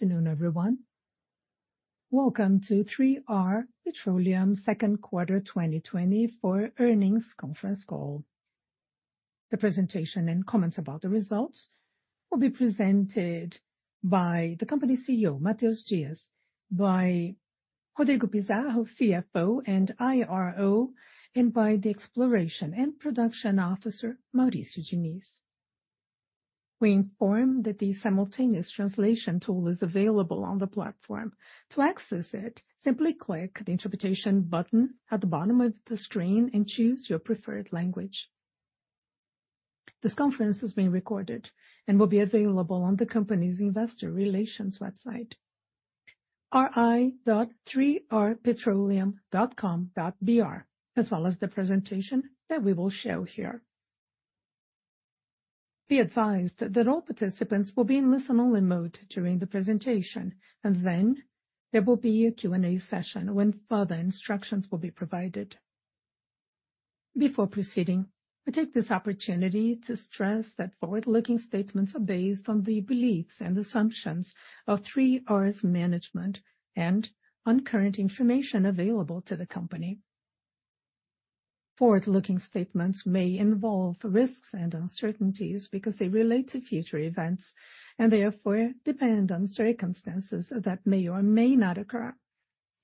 Good afternoon, everyone. Welcome to 3R Petroleum Second Quarter 2024 Earnings Conference Call. The presentation and comments about the results will be presented by the company CEO, Matheus Dias, by Rodrigo Pizarro, CFO and IRO, and by the Exploration and Production Officer, Maurício Diniz. We inform that the simultaneous translation tool is available on the platform. To access it, simply click the Interpretation button at the bottom of the screen and choose your preferred language. This conference is being recorded and will be available on the company's investor relations website, ri.3rpetroleum.com.br, as well as the presentation that we will show here. Be advised that all participants will be in listen-only mode during the presentation, and then there will be a Q&A session when further instructions will be provided. Before proceeding, I take this opportunity to stress that forward-looking statements are based on the beliefs and assumptions of 3R's management and on current information available to the company. Forward-looking statements may involve risks and uncertainties because they relate to future events, and therefore depend on circumstances that may or may not occur.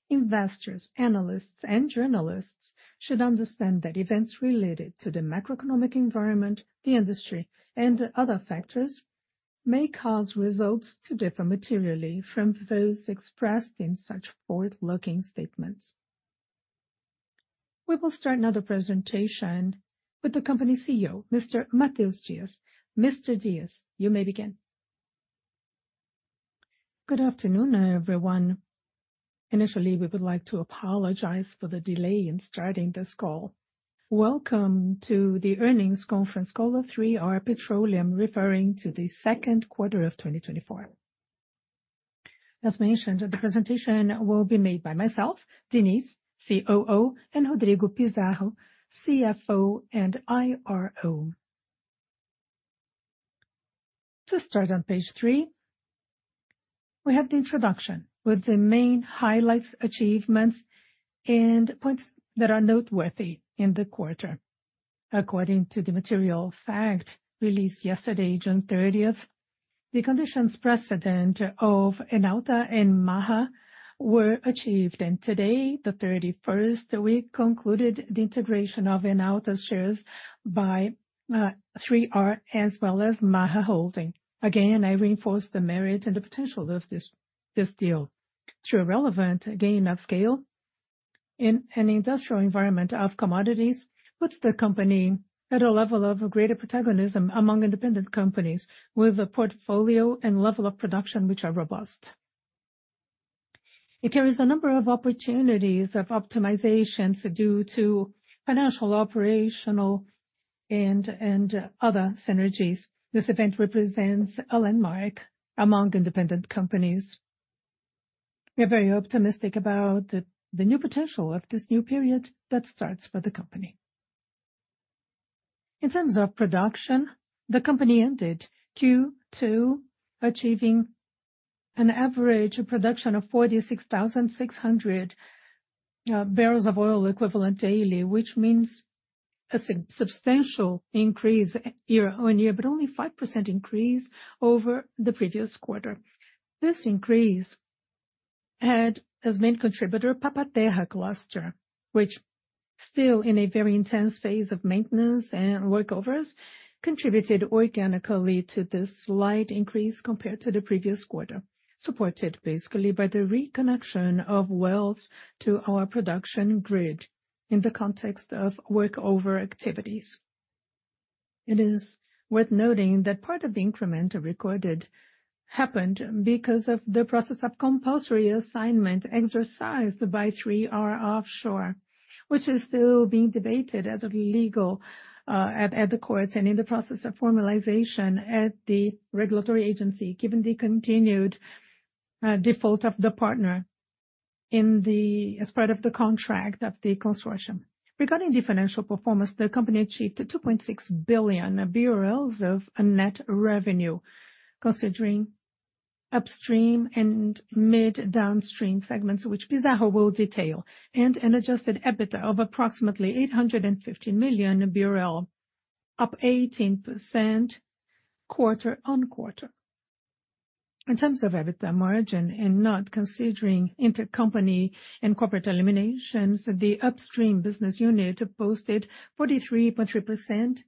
Investors, analysts, and journalists should understand that events related to the macroeconomic environment, the industry, and other factors may cause results to differ materially from those expressed in such forward-looking statements. We will start now the presentation with the company CEO, Mr. Matheus Dias. Mr. Dias, you may begin. Good afternoon, everyone. Initially, we would like to apologize for the delay in starting this call. Welcome to the earnings conference call of 3R Petroleum, referring to the second quarter of 2024. As mentioned, the presentation will be made by myself, Diniz, COO, and Rodrigo Pizarro, CFO and IRO. To start on page 3, we have the introduction with the main highlights, achievements, and points that are noteworthy in the quarter. According to the material fact released yesterday, June 30th, the conditions precedent of Enauta and Maha were achieved, and today, the thirty-first, we concluded the integration of Enauta's shares by 3R, as well as Maha Holding. Again, I reinforce the merit and the potential of this, this deal. Through a relevant gain of scale in an industrial environment of commodities, puts the company at a level of greater protagonism among independent companies with a portfolio and level of production which are robust. It carries a number of opportunities of optimization due to financial, operational, and, and other synergies. This event represents a landmark among independent companies. We are very optimistic about the new potential of this new period that starts for the company. In terms of production, the company ended Q2, achieving an average production of 46,600 barrels of oil equivalent daily, which means a substantial increase year-on-year, but only 5% increase over the previous quarter. This increase had, as main contributor, Papa-Terra cluster, which still in a very intense phase of maintenance and workovers, contributed organically to this slight increase compared to the previous quarter, supported basically by the reconnection of wells to our production grid in the context of workover activities. It is worth noting that part of the increment recorded happened because of the process of compulsory assignment exercised by 3R Offshore, which is still being debated as a legal matter at the courts and in the process of formalization at the regulatory agency, given the continued default of the partner in the consortium as part of the contract of the consortium. Regarding the financial performance, the company achieved 2.6 billion reais of net revenue, considering upstream and midstream segments, which Pizarro will detail, and an adjusted EBITDA of approximately 850 million reais, up 18% quarter-on-quarter. In terms of EBITDA margin and not considering intercompany and corporate eliminations, the upstream business unit posted 43.3%,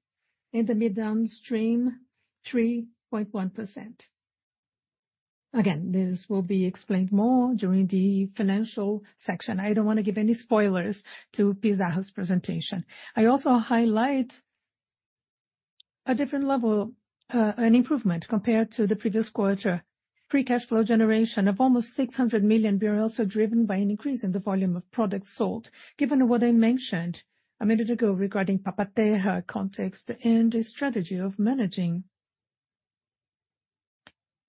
and the midstream, 3.1%. Again, this will be explained more during the financial section. I don't want to give any spoilers to Pizarro's presentation. I also highlight a different level, an improvement compared to the previous quarter. Free cash flow generation of almost 600 million BRL is driven by an increase in the volume of products sold, given what I mentioned a minute ago regarding Papa-Terra context and the strategy of managing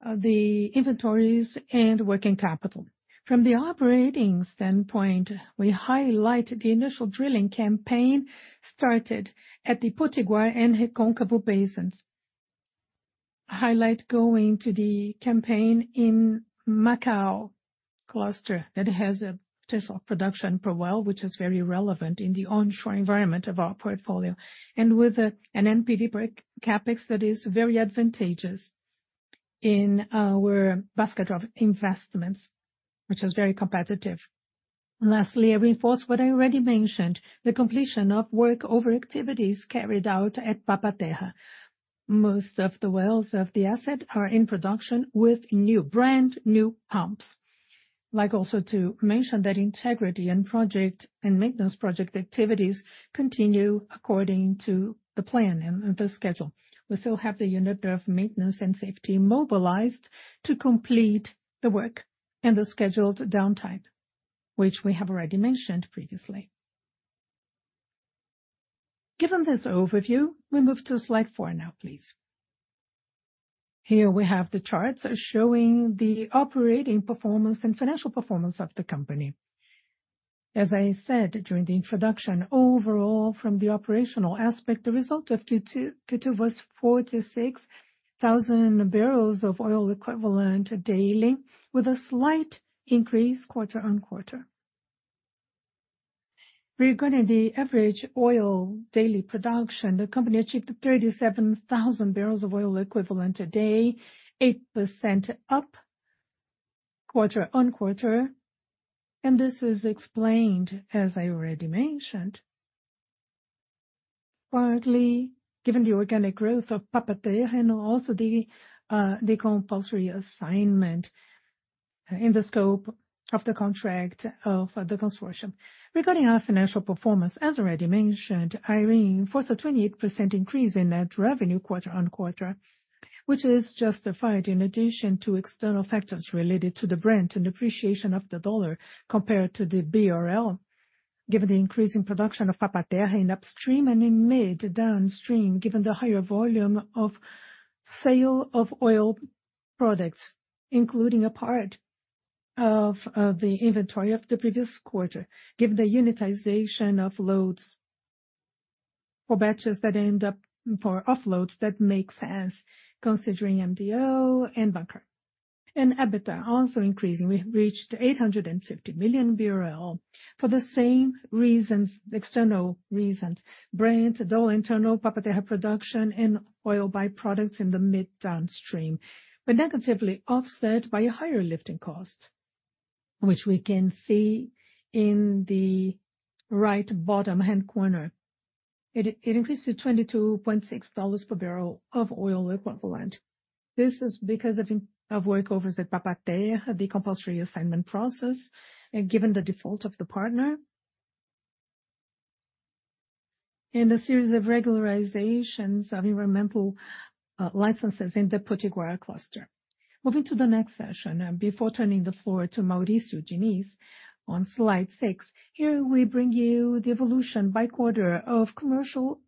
the inventories and working capital. From the operating standpoint, we highlighted the initial drilling campaign started at the Potiguar and Recôncavo basins. Highlight going to the campaign in Macau Cluster, that has a potential production per well, which is very relevant in the onshore environment of our portfolio, and with an NPV break CapEx that is very advantageous in our basket of investments, which is very competitive. Lastly, I reinforce what I already mentioned, the completion of workover activities carried out at Papa-Terra. Most of the wells of the asset are in production with new, brand new pumps. Like also to mention that integrity and project, and maintenance project activities continue according to the plan and, and the schedule. We still have the unit of maintenance and safety mobilized to complete the work and the scheduled downtime, which we have already mentioned previously. Given this overview, we move to slide 4 now, please. Here we have the charts showing the operating performance and financial performance of the company. As I said during the introduction, overall, from the operational aspect, the result of Q2, Q2 was 46,000 barrels of oil equivalent daily, with a slight increase quarter-on-quarter. Regarding the average oil daily production, the company achieved 37,000 barrels of oil equivalent a day, 8% up quarter-on-quarter, and this is explained, as I already mentioned, partly given the organic growth of Papa-Terra, and also the compulsory assignment in the scope of the contract of the consortium. Regarding our financial performance, as already mentioned, I reinforce a 28% increase in net revenue quarter-on-quarter, which is justified in addition to external factors related to the Brent and depreciation of the dollar, compared to the BRL. Given the increase in production of Papa-Terra in upstream and in mid-downstream, given the higher volume of sale of oil products, including a part of the inventory of the previous quarter, given the unitization of loads for batches that end up for offloads, that make sense considering MDO and bunker. EBITDA also increasing, we reached 850 million BRL for the same reasons, external reasons, Brent, dollar internal, Papa-Terra production, and oil byproducts in the mid-downstream, but negatively offset by a higher lifting cost, which we can see in the right bottom hand corner. It increased to $22.6 per barrel of oil equivalent. This is because of workovers at Papa-Terra, the compulsory assignment process, and given the default of the partner, and a series of regularizations of environmental licenses in the Potiguar Cluster. Moving to the next session, and before turning the floor to Maurício Diniz, on slide six, here we bring you the evolution by quarter of commercial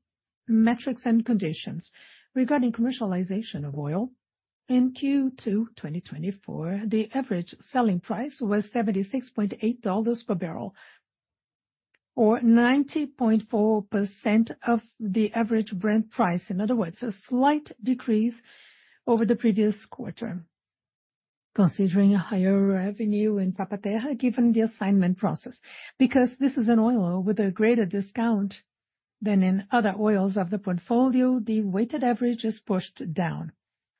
metrics and conditions. Regarding commercialization of oil, in Q2 2024, the average selling price was $76.8 per barrel, or 90.4% of the average Brent price. In other words, a slight decrease over the previous quarter. Considering a higher revenue in Papa-Terra, given the assignment process. Because this is an oil with a greater discount than in other oils of the portfolio, the weighted average is pushed down.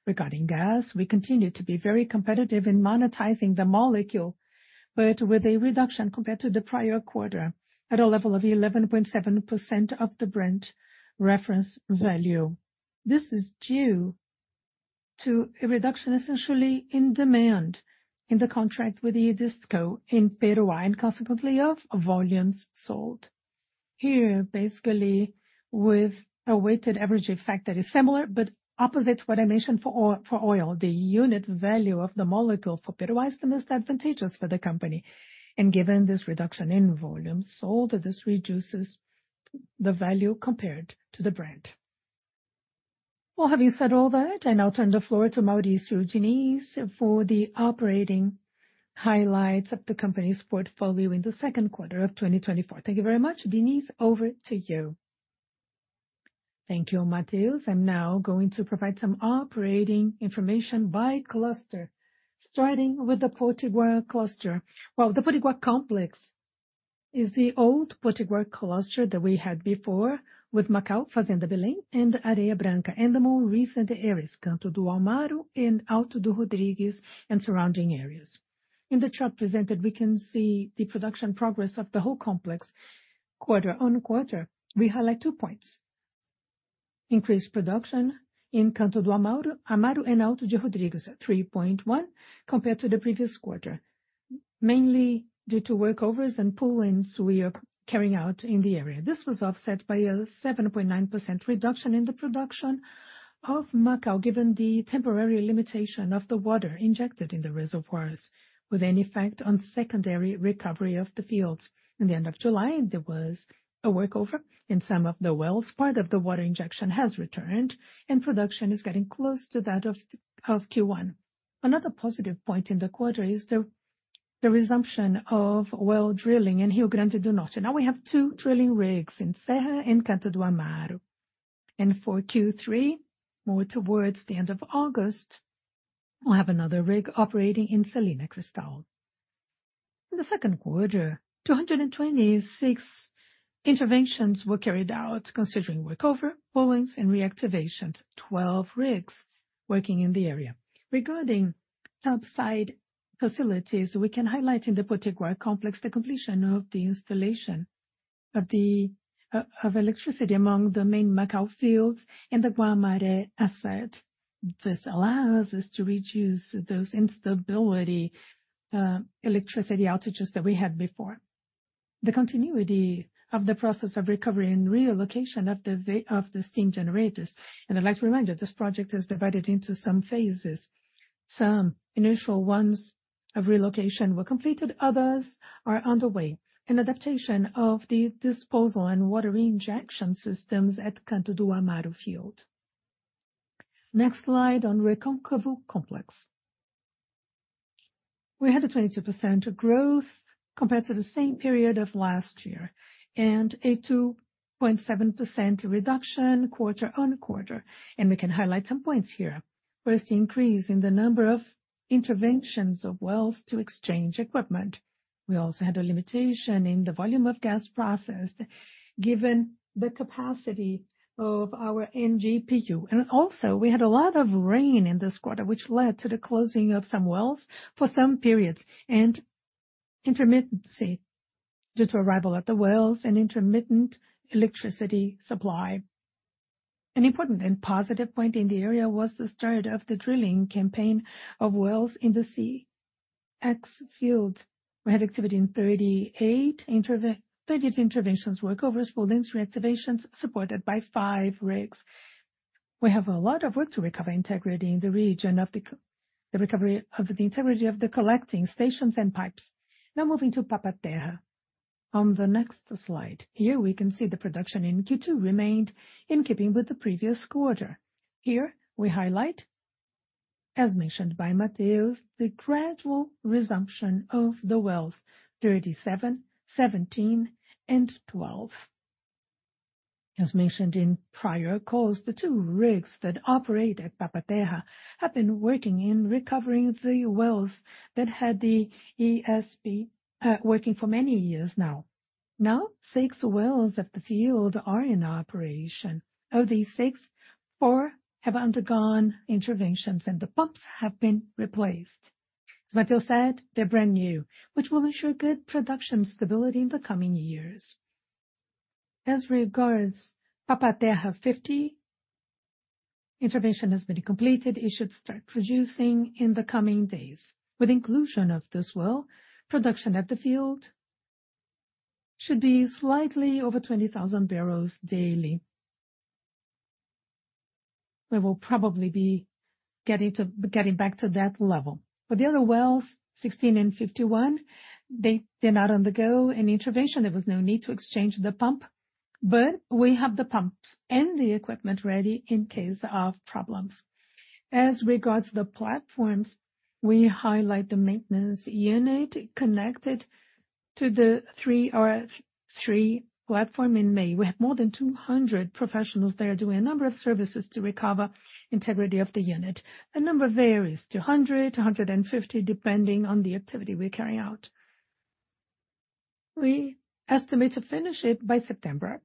Regarding gas, we continue to be very competitive in monetizing the molecule, but with a reduction compared to the prior quarter, at a level of 11.7% of the Brent reference value. This is due to a reduction, essentially, in demand in the contract with the disco in Peroa, and consequently of volumes sold. Here, basically, with a weighted average effect that is similar but opposite to what I mentioned for oil. The unit value of the molecule for Peroa is the most advantageous for the company, and given this reduction in volume sold, this reduces the value compared to the Brent. Well, having said all that, I now turn the floor to Maurício Diniz for the operating highlights of the company's portfolio in the second quarter of 2024. Thank you very much. Diniz, over to you. Thank you, Matheus. I'm now going to provide some operating information by cluster, starting with the Potiguar cluster. Well, the Potiguar complex is the old Potiguar cluster that we had before, with Macau, Fazenda Belém and Areia Branca, and the more recent areas, Canto do Amaro and Alto do Rodrigues, and surrounding areas. In the chart presented, we can see the production progress of the whole complex. Quarter on quarter, we highlight two points: increased production in Canto do Amaro, Amaro and Alto do Rodrigues, at 3.1, compared to the previous quarter, mainly due to workovers and pull-ins we are carrying out in the area. This was offset by a 7.9% reduction in the production of Macau, given the temporary limitation of the water injected in the reservoirs, with an effect on secondary recovery of the fields. In the end of July, there was a workover in some of the wells. Part of the water injection has returned, and production is getting close to that of Q1. Another positive point in the quarter is the resumption of well drilling in Rio Grande do Norte. Now we have two drilling rigs in Serra and Canto do Amaro. For Q3, more towards the end of August, we'll have another rig operating in Salina Cristal. In the second quarter, 226 interventions were carried out, considering recover, pullings, and reactivations. 12 rigs working in the area. Regarding topside facilities, we can highlight in the Potiguar Complex, the completion of the installation of the of electricity among the main Macau fields and the Guamaré asset. This allows us to reduce those instability electricity outages that we had before. The continuity of the process of recovery and relocation of the of the steam generators, and I'd like to remind you, this project is divided into some phases. Some initial ones of relocation were completed, others are underway, and adaptation of the disposal and water injection systems at Canto do Amaro field. Next slide on Recôncavo Complex. We had a 22% growth compared to the same period of last year, and a 2.7% reduction quarter-on-quarter. We can highlight some points here. First, the increase in the number of interventions of wells to exchange equipment. We also had a limitation in the volume of gas processed, given the capacity of our NGPU. And also, we had a lot of rain in this quarter, which led to the closing of some wells for some periods, and intermittency due to arrival at the wells and intermittent electricity supply. An important and positive point in the area was the start of the drilling campaign of wells in the Cexis fields. We had activity in 38 interventions, workovers, pullings, reactivations, supported by five rigs. We have a lot of work to recover integrity in the region of the recovery of the integrity of the collecting stations and pipes. Now moving to Papa-Terra. On the next slide, here, we can see the production in Q2 remained in keeping with the previous quarter. Here, we highlight, as mentioned by Matheus, the gradual resumption of the wells 37, 17, and 12. As mentioned in prior calls, the two rigs that operate at Papa-Terra have been working in recovering the wells that had the ESP working for many years now. Now, six wells of the field are in operation. Of these six, four have undergone interventions, and the pumps have been replaced. As Matheus said, they're brand new, which will ensure good production stability in the coming years. As regards Papa-Terra 50, intervention has been completed. It should start producing in the coming days. With inclusion of this well, production at the field should be slightly over 20,000 barrels daily. We will probably be getting back to that level. For the other wells, 16 and 51, they're not on the go in intervention. There was no need to exchange the pump, but we have the pumps and the equipment ready in case of problems. As regards to the platforms, we highlight the maintenance unit connected to the three RF3 platform in May. We have more than 200 professionals there doing a number of services to recover integrity of the unit. The number varies, 200, 250, depending on the activity we're carrying out. We estimate to finish it by September.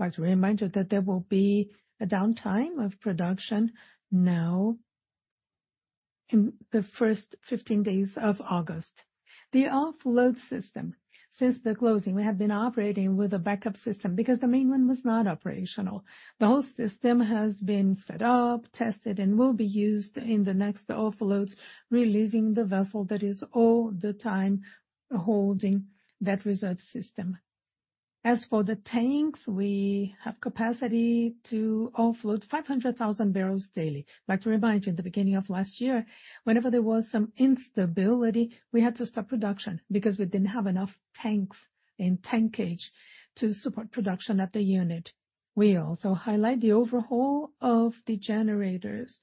I'd like to remind you that there will be a downtime of production now in the first 15 days of August. The offload system, since the closing, we have been operating with a backup system because the main one was not operational. The whole system has been set up, tested, and will be used in the next offloads, releasing the vessel that is all the time holding that reserve system. As for the tanks, we have capacity to offload 500,000 barrels daily. Like to remind you, in the beginning of last year, whenever there was some instability, we had to stop production because we didn't have enough tanks and tankage to support production at the unit. We also highlight the overhaul of the generators,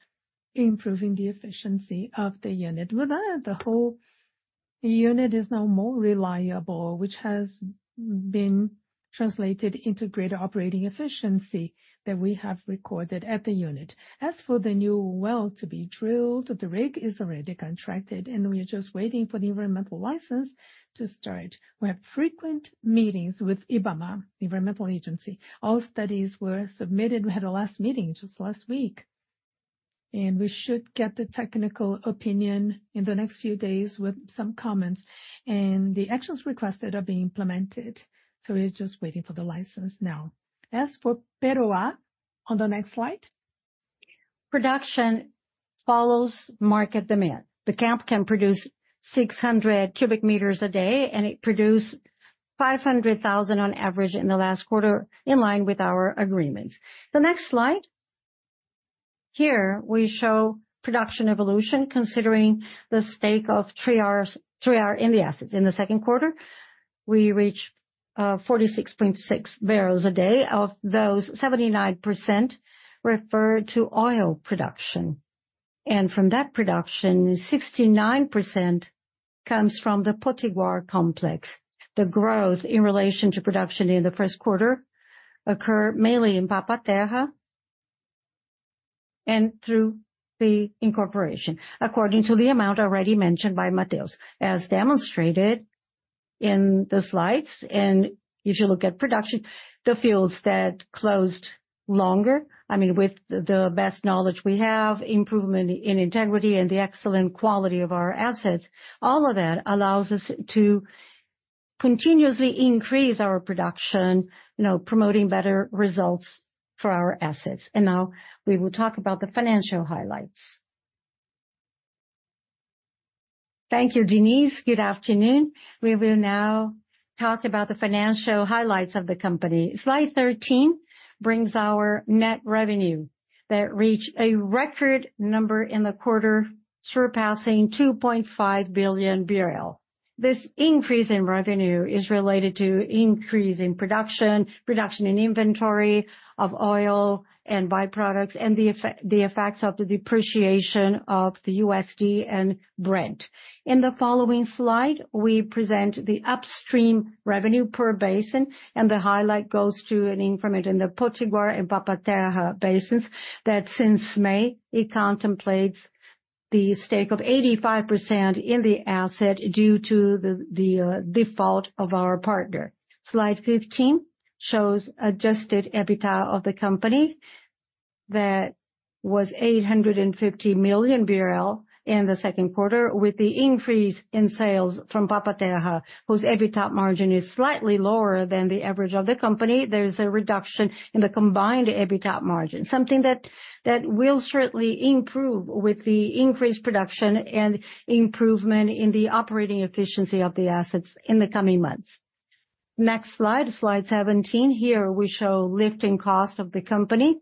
improving the efficiency of the unit. With that, the whole unit is now more reliable, which has been translated into greater operating efficiency that we have recorded at the unit. As for the new well to be drilled, the rig is already contracted, and we are just waiting for the environmental license to start. We have frequent meetings with Ibama, the environmental agency. All studies were submitted. We had a last meeting just last week, and we should get the technical opinion in the next few days with some comments, and the actions requested are being implemented, so we're just waiting for the license now. As for Peroa, on the next slide, production follows market demand. The camp can produce 600 cubic meters a day, and it produced 500,000 on average in the last quarter, in line with our agreements. The next slide. Here, we show production evolution, considering the stake of 3R's - 3R in the assets. In the second quarter-... we reached 46.6 barrels a day. Of those, 79% referred to oil production, and from that production, 69% comes from the Potiguar Complex. The growth in relation to production in the first quarter occurred mainly in Papa-Terra and through the incorporation, according to the amount already mentioned by Matheus. As demonstrated in the slides, and if you look at production, the fields that closed longer, I mean, with the best knowledge we have, improvement in integrity and the excellent quality of our assets, all of that allows us to continuously increase our production, you know, promoting better results for our assets. And now we will talk about the financial highlights. Thank you, Diniz. Good afternoon. We will now talk about the financial highlights of the company. Slide 13 brings our net revenue that reached a record number in the quarter, surpassing 2.5 billion BRL. This increase in revenue is related to increase in production, production in inventory of oil and by-products, and the effect, the effects of the depreciation of the USD and Brent. In the following slide, we present the upstream revenue per basin, and the highlight goes to an increment in the Potiguar and Papa-Terra basins, that since May, it contemplates the stake of 85% in the asset due to the default of our partner. Slide 15 shows adjusted EBITDA of the company. That was 850 million BRL in the second quarter, with the increase in sales from Papa-Terra, whose EBITDA margin is slightly lower than the average of the company. There's a reduction in the combined EBITDA margin, something that will certainly improve with the increased production and improvement in the operating efficiency of the assets in the coming months. Next slide, slide 17. Here we show lifting cost of the company.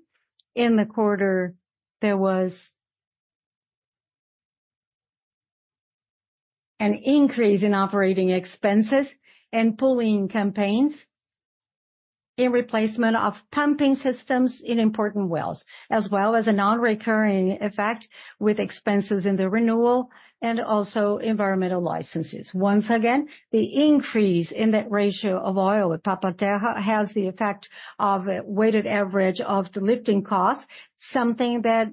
In the quarter, there was an increase in operating expenses and pulling campaigns in replacement of pumping systems in important wells, as well as a non-recurring effect with expenses in the renewal and also environmental licenses. Once again, the increase in that ratio of oil at Papa-Terra has the effect of a weighted average of the lifting costs, something that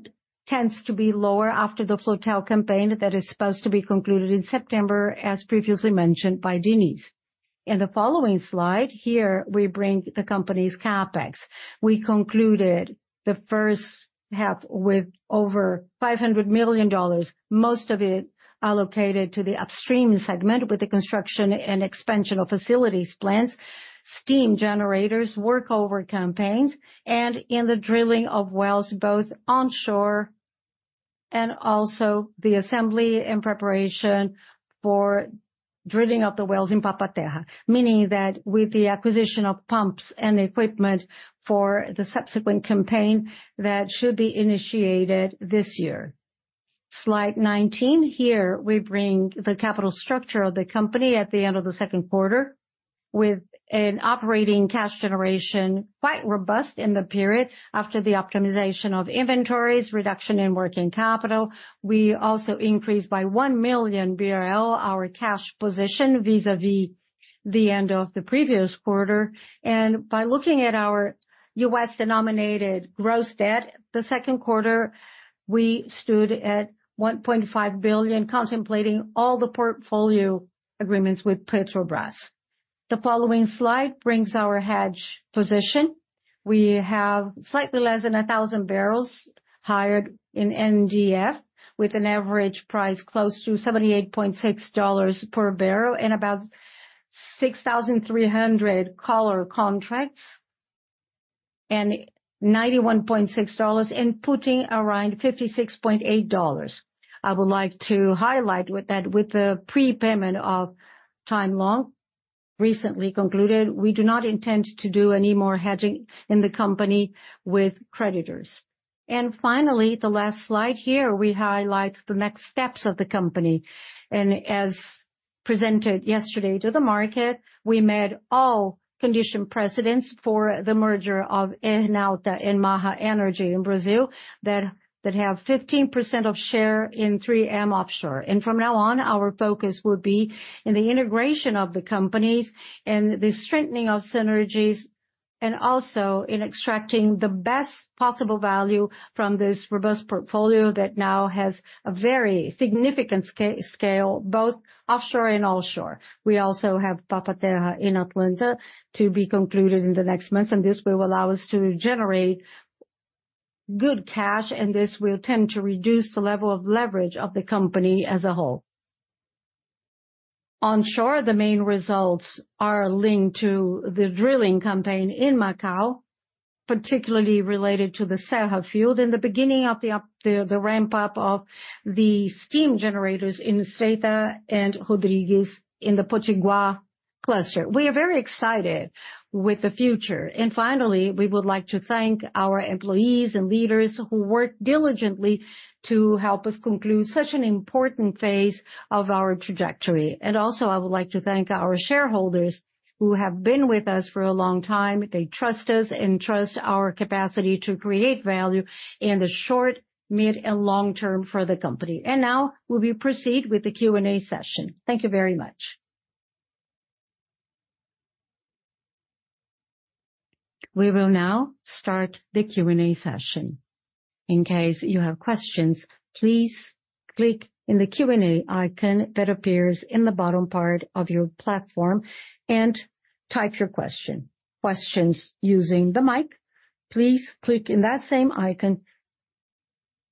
tends to be lower after the flotel campaign that is supposed to be concluded in September, as previously mentioned by Diniz. In the following slide, here, we bring the company's CapEx. We concluded the first half with over $500 million, most of it allocated to the upstream segment, with the construction and expansion of facilities plans, steam generators, workover campaigns, and in the drilling of wells, both onshore and also the assembly and preparation for drilling of the wells in Papa-Terra. Meaning that with the acquisition of pumps and equipment for the subsequent campaign, that should be initiated this year. Slide 19, here we bring the capital structure of the company at the end of the second quarter, with an operating cash generation, quite robust in the period. After the optimization of inventories, reduction in working capital, we also increased by 1 million BRL, our cash position, vis-à-vis the end of the previous quarter. By looking at our US-denominated gross debt, in the second quarter, we stood at $1.5 billion, contemplating all the portfolio agreements with Petrobras. The following slide brings our hedge position. We have slightly less than 1,000 barrels hedged in NDF, with an average price close to $78.6 per barrel, and about 6,300 collar contracts and $91.6, and putting around $56.8. I would like to highlight with that, with the prepayment of the loan recently concluded, we do not intend to do any more hedging in the company with creditors. Finally, the last slide here, we highlight the next steps of the company. As presented yesterday to the market, we met all condition precedents for the merger of Enauta and Maha Energy in Brazil, that have 15% of share in 3R Offshore. From now on, our focus will be in the integration of the companies and the strengthening of synergies, and also in extracting the best possible value from this robust portfolio that now has a very significant scale, both offshore and onshore. We also have Papa-Terra and Atlanta to be concluded in the next months, and this will allow us to generate good cash, and this will tend to reduce the level of leverage of the company as a whole. Onshore, the main results are linked to the drilling campaign in Macau, particularly related to the Serra Field. In the beginning of the ramp-up of the steam generators in Serra and Alto do Rodrigues, in the Potiguar Basin cluster. We are very excited with the future. Finally, we would like to thank our employees and leaders who worked diligently to help us conclude such an important phase of our trajectory. Also, I would like to thank our shareholders who have been with us for a long time. They trust us and trust our capacity to create value in the short, mid, and long term for the company. Now we'll proceed with the Q&A session. Thank you very much. We will now start the Q&A session. In case you have questions, please click in the Q&A icon that appears in the bottom part of your platform and type your question. Questions using the mic, please click in that same icon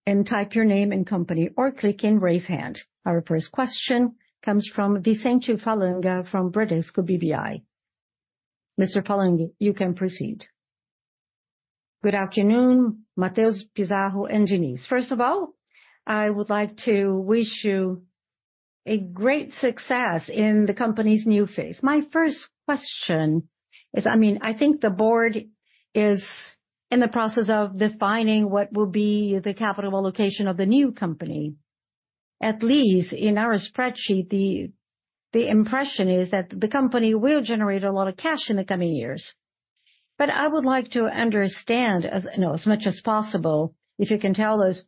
and type your name and company, or click in Raise Hand. Our first question comes from Vicente Falanga from Bradesco BBI. Mr. Falanga, you can proceed. Good afternoon, Matheus Pizarro, and Diniz. First of all, I would like to wish you a great success in the company's new phase. My first question is, I mean, I think the board is in the process of defining what will be the capital allocation of the new company. At least in our spreadsheet, the impression is that the company will generate a lot of cash in the coming years. But I would like to understand, you know, as much as possible, if you can tell us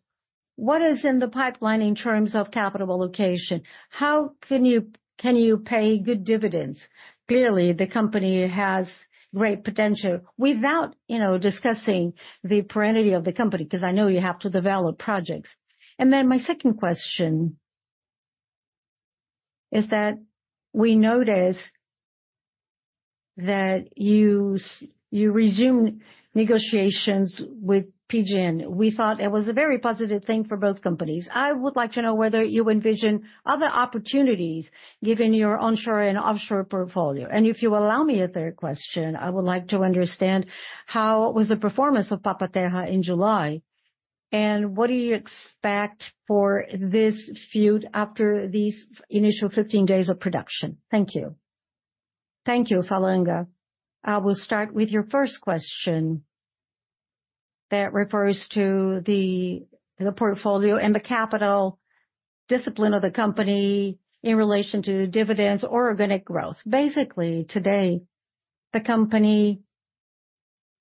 what is in the pipeline in terms of capital allocation? How can you pay good dividends? Clearly, the company has great potential. Without, you know, discussing the priority of the company, 'cause I know you have to develop projects. And then my second question is that we noticed that you resumed negotiations with PGN. We thought it was a very positive thing for both companies. I would like to know whether you envision other opportunities, given your onshore and offshore portfolio. And if you allow me a third question, I would like to understand how was the performance of Papa-Terra in July, and what do you expect for this field after these initial 15 days of production? Thank you. Thank you, Falanga. I will start with your first question that refers to the portfolio and the capital discipline of the company in relation to dividends or organic growth. Basically, today, the company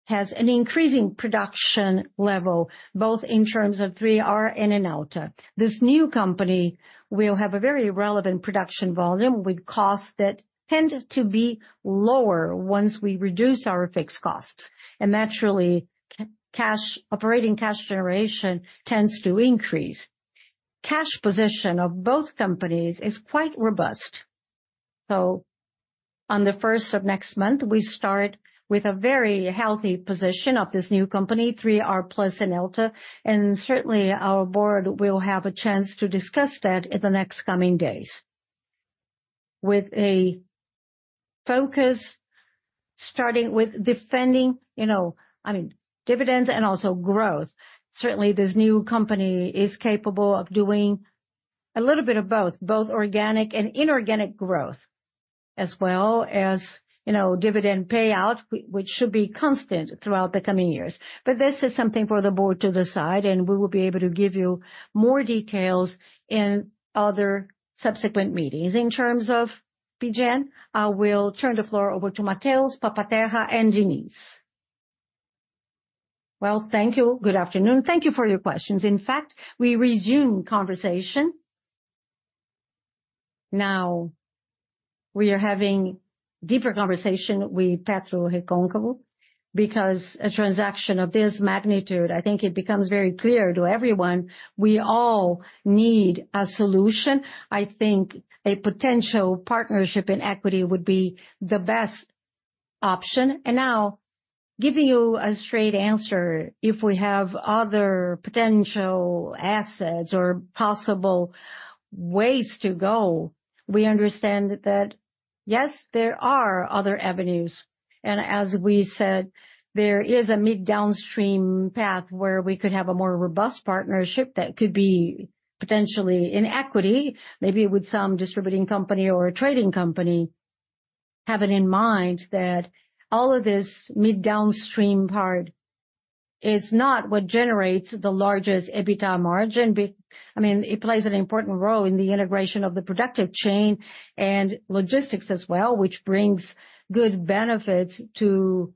has an increasing production level, both in terms of 3R and Enauta. This new company will have a very relevant production volume, with costs that tend to be lower once we reduce our fixed costs, and naturally, operating cash generation tends to increase. Cash position of both companies is quite robust. So on the first of next month, we start with a very healthy position of this new company, 3R Plus Enauta, and certainly our board will have a chance to discuss that in the next coming days. With a focus, starting with defending, you know, I mean, dividends and also growth. Certainly, this new company is capable of doing a little bit of both, both organic and inorganic growth, as well as, you know, dividend payout, which should be constant throughout the coming years. But this is something for the board to decide, and we will be able to give you more details in other subsequent meetings. In terms of UPGN, I will turn the floor over to Matheus, Papa-Terra, and Diniz. Well, thank you. Good afternoon. Thank you for your questions. In fact, we resumed conversation. Now we are having deeper conversation with PetroRecôncavo, because a transaction of this magnitude, I think it becomes very clear to everyone, we all need a solution. I think a potential partnership in equity would be the best option. And now, giving you a straight answer, if we have other potential assets or possible ways to go, we understand that, yes, there are other avenues. And as we said, there is a mid-downstream path where we could have a more robust partnership that could be potentially in equity, maybe with some distributing company or a trading company. Having in mind that all of this mid-downstream part is not what generates the largest EBITDA margin. I mean, it plays an important role in the integration of the productive chain and logistics as well, which brings good benefits to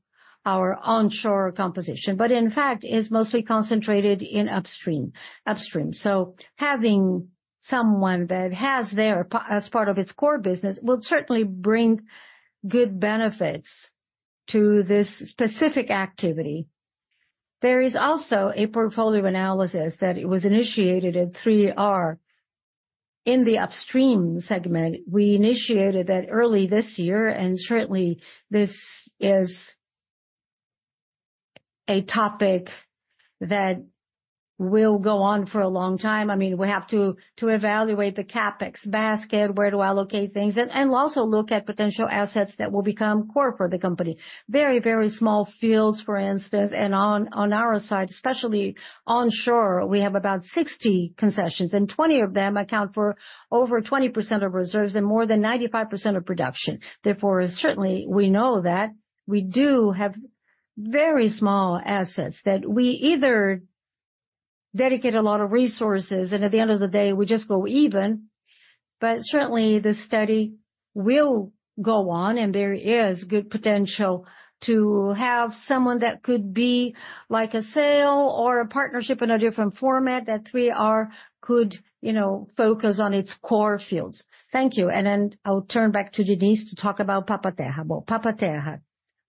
our onshore composition, but in fact, is mostly concentrated in upstream, upstream. So having someone that has their as part of its core business, will certainly bring good benefits to this specific activity. There is also a portfolio analysis that it was initiated at 3R in the upstream segment. We initiated that early this year, and certainly, this is a topic that will go on for a long time. I mean, we have to evaluate the CapEx basket, where do I locate things, and also look at potential assets that will become core for the company. Very, very small fields, for instance, and on our side, especially onshore, we have about 60 concessions, and 20 of them account for over 20% of reserves and more than 95% of production. Therefore, certainly, we know that we do have-... Very small assets that we either dedicate a lot of resources, and at the end of the day, we just go even. But certainly, the study will go on, and there is good potential to have someone that could be like a sale or a partnership in a different format, that we could, you know, focus on its core fields. Thank you, and then I'll turn back to Diniz to talk about Papa-Terra. Well, Papa-Terra,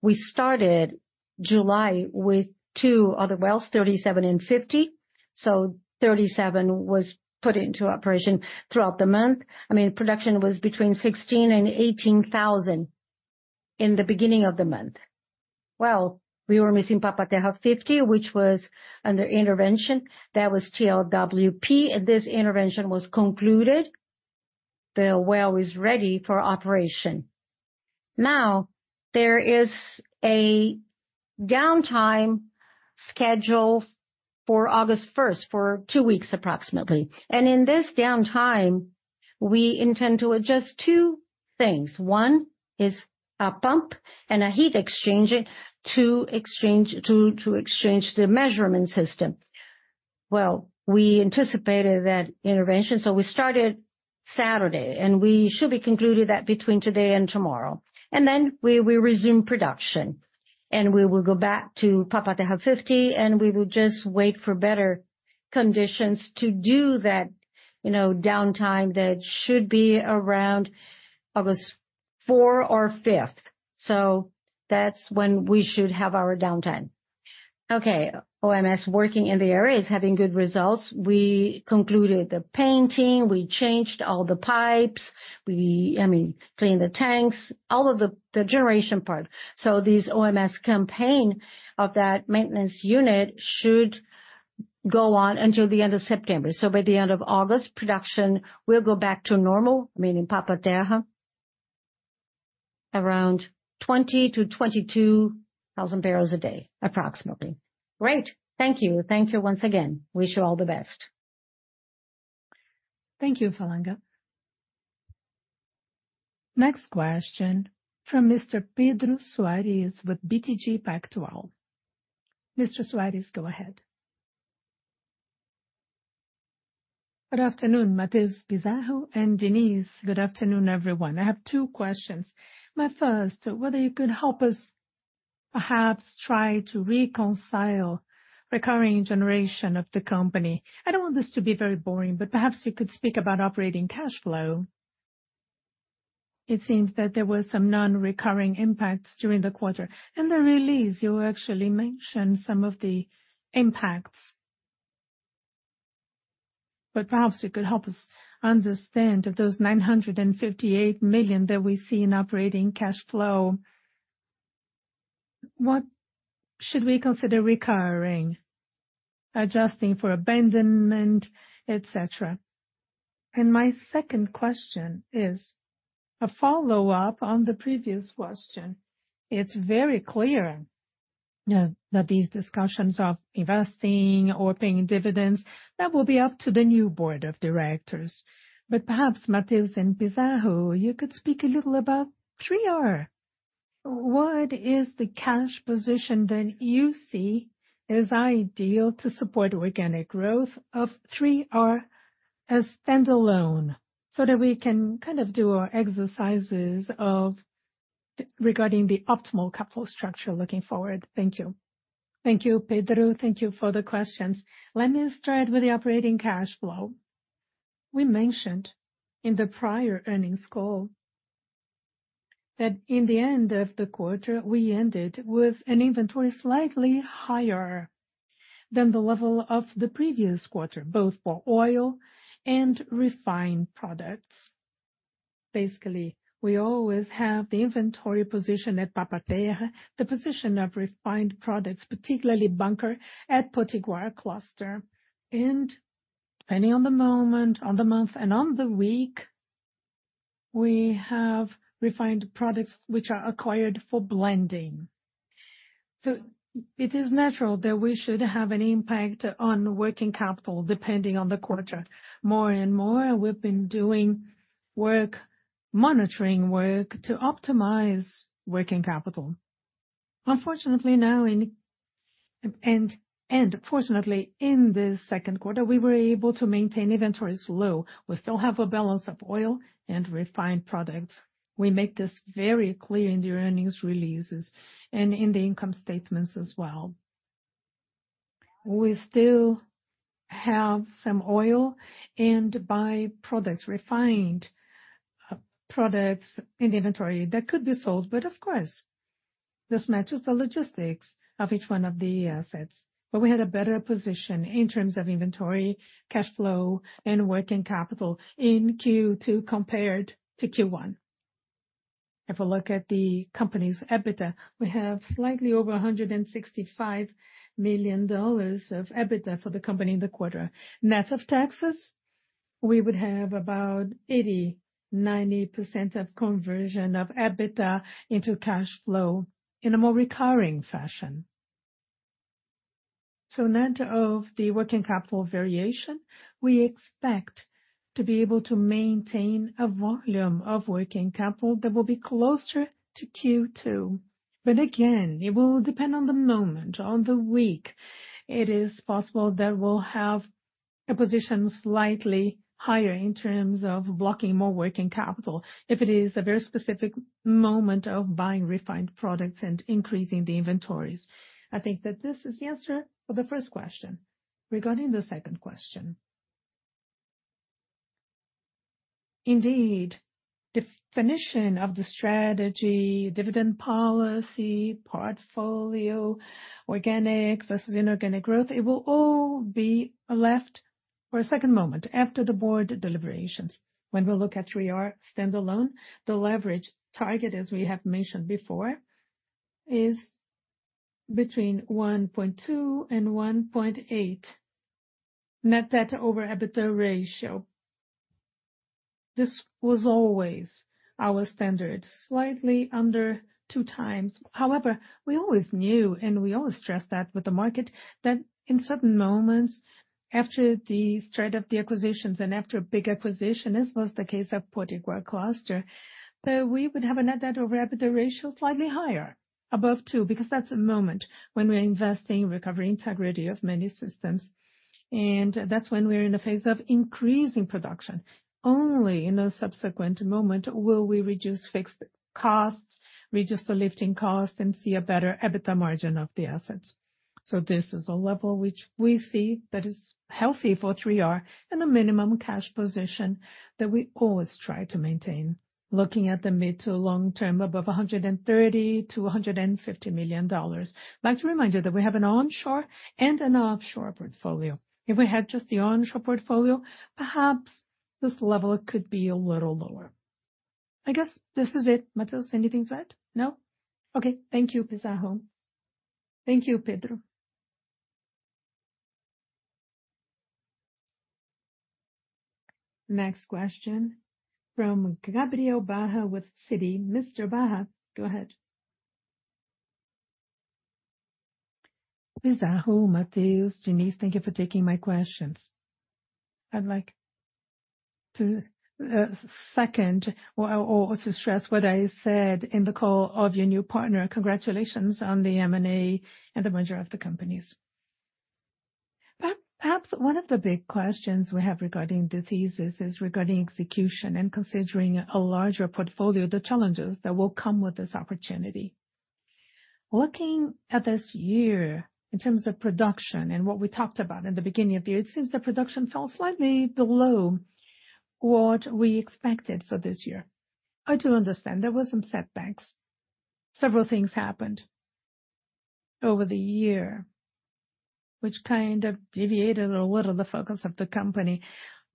we started July with two other wells, 37 and 50. So 37 was put into operation throughout the month. I mean, production was between 16,000 and 18,000 in the beginning of the month. Well, we were missing Papa-Terra 50, which was under intervention. That was TLWP, and this intervention was concluded. The well is ready for operation. Now, there is a downtime schedule for August 1, for 2 weeks, approximately. In this downtime, we intend to adjust two things. One is a pump and a heat exchanger to exchange the measurement system. Well, we anticipated that intervention, so we started Saturday, and we should be concluding that between today and tomorrow. And then we resume production, and we will go back to Papa-Terra 50, and we will just wait for better conditions to do that, you know, downtime that should be around August fourth or fifth. So that's when we should have our downtime. Okay, OMS working in the area is having good results. We concluded the painting, we changed all the pipes, I mean, cleaned the tanks, all of the generation part. So this OMS campaign of that maintenance unit should go on until the end of September. By the end of August, production will go back to normal, meaning Papa-Terra, around 20,000-22,000 barrels a day, approximately. Great. Thank you. Thank you once again. Wish you all the best. Thank you, Falanga. Next question from Mr. Pedro Soares with BTG Pactual. Mr. Soares, go ahead. Good afternoon, Matheus, Pizarro, and Diniz. Good afternoon, everyone. I have two questions. My first, whether you could help us perhaps try to reconcile recurring generation of the company. I don't want this to be very boring, but perhaps you could speak about operating cash flow. It seems that there were some non-recurring impacts during the quarter. In the release, you actually mentioned some of the impacts. But perhaps you could help us understand that those 958 million that we see in operating cash flow, what should we consider recurring, adjusting for abandonment, et cetera? And my second question is a follow-up on the previous question. It's very clear, that these discussions of investing or paying dividends, that will be up to the new board of directors. But perhaps, Matheus and Pizarro, you could speak a little about 3R. What is the cash position that you see as ideal to support organic growth of 3R as standalone, so that we can kind of do our exercises regarding the optimal capital structure looking forward? Thank you. Thank you, Pedro. Thank you for the questions. Let me start with the operating cash flow. We mentioned in the prior earnings call that in the end of the quarter, we ended with an inventory slightly higher than the level of the previous quarter, both for oil and refined products. Basically, we always have the inventory position at Papa-Terra, the position of refined products, particularly bunker, at Potiguar Cluster. And depending on the moment, on the month, and on the week, we have refined products which are acquired for blending. So it is natural that we should have an impact on working capital, depending on the quarter. More and more, we've been doing work, monitoring work to optimize working capital. Unfortunately, now in and, and fortunately, in this second quarter, we were able to maintain inventories low. We still have a balance of oil and refined products. We make this very clear in the earnings releases and in the income statements as well. We still have some oil and by-products, refined products in the inventory that could be sold, but of course, this matches the logistics of each one of the assets. But we had a better position in terms of inventory, cash flow, and working capital in Q2 compared to Q1. If we look at the company's EBITDA, we have slightly over $165 million of EBITDA for the company in the quarter. Net of taxes, we would have about 80%-90% of conversion of EBITDA into cash flow in a more recurring fashion. So net of the working capital variation, we expect to be able to maintain a volume of working capital that will be closer to Q2. But again, it will depend on the moment, on the week. It is possible that we'll have a position slightly higher in terms of blocking more working capital, if it is a very specific moment of buying refined products and increasing the inventories. I think that this is the answer for the first question. Regarding the second question. Indeed, definition of the strategy, dividend policy, portfolio, organic versus inorganic growth, it will all be left for a second moment after the board deliberations. When we look at 3R standalone, the leverage target, as we have mentioned before, is between 1.2 and 1.8, net debt over EBITDA ratio. This was always our standard, slightly under 2x. However, we always knew, and we always stress that with the market, that in certain moments after the start of the acquisitions and after a big acquisition, as was the case of Potiguar Cluster, that we would have a net debt over EBITDA ratio slightly higher, above 2, because that's a moment when we're investing, recovering integrity of many systems, and that's when we're in a phase of increasing production. Only in a subsequent moment will we reduce fixed costs, reduce the lifting costs, and see a better EBITDA margin of the assets. So this is a level which we see that is healthy for 3R and a minimum cash position that we always try to maintain. Looking at the mid to long term, above $130 million-$150 million. I'd like to remind you that we have an onshore and an offshore portfolio. If we had just the onshore portfolio, perhaps this level could be a little lower. I guess this is it. Matheus, anything to add? No. Okay. Thank you, Pizarro. Thank you, Pedro. Next question from Gabriel Barra with Citi. Mr. Barra, go ahead. Pizarro, Matheus, Diniz, thank you for taking my questions. I'd like to, second or to stress what I said in the call of your new partner. Congratulations on the M&A and the merger of the companies. Perhaps one of the big questions we have regarding the thesis is regarding execution and considering a larger portfolio, the challenges that will come with this opportunity. Looking at this year in terms of production and what we talked about in the beginning of the year, it seems the production fell slightly below what we expected for this year. I do understand there were some setbacks. Several things happened over the year, which kind of deviated a little the focus of the company.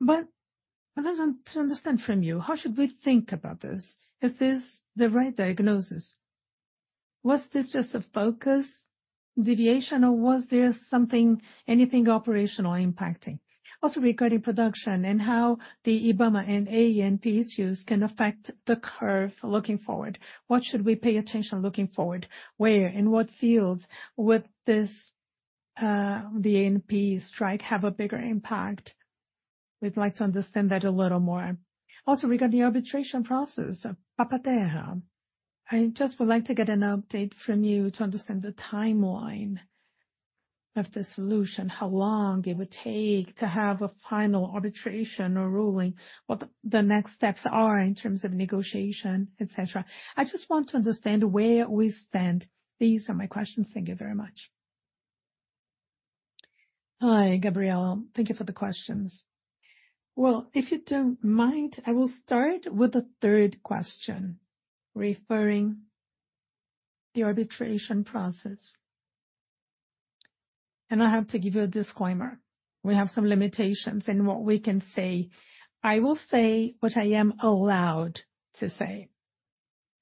But I want to understand from you, how should we think about this? Is this the right diagnosis? Was this just a focus deviation, or was there something, anything operational impacting? Also, regarding production and how the Ibama and ANP issues can affect the curve looking forward, what should we pay attention looking forward? Where, in what fields would this, the ANP strike have a bigger impact? We'd like to understand that a little more. Also, regarding the arbitration process of Papa-Terra, I just would like to get an update from you to understand the timeline of the solution, how long it would take to have a final arbitration or ruling, what the next steps are in terms of negotiation, et cetera. I just want to understand where we stand. These are my questions. Thank you very much. Hi, Gabriel. Thank you for the questions. Well, if you don't mind, I will start with the third question, referring to the arbitration process. I have to give you a disclaimer: We have some limitations in what we can say. I will say what I am allowed to say.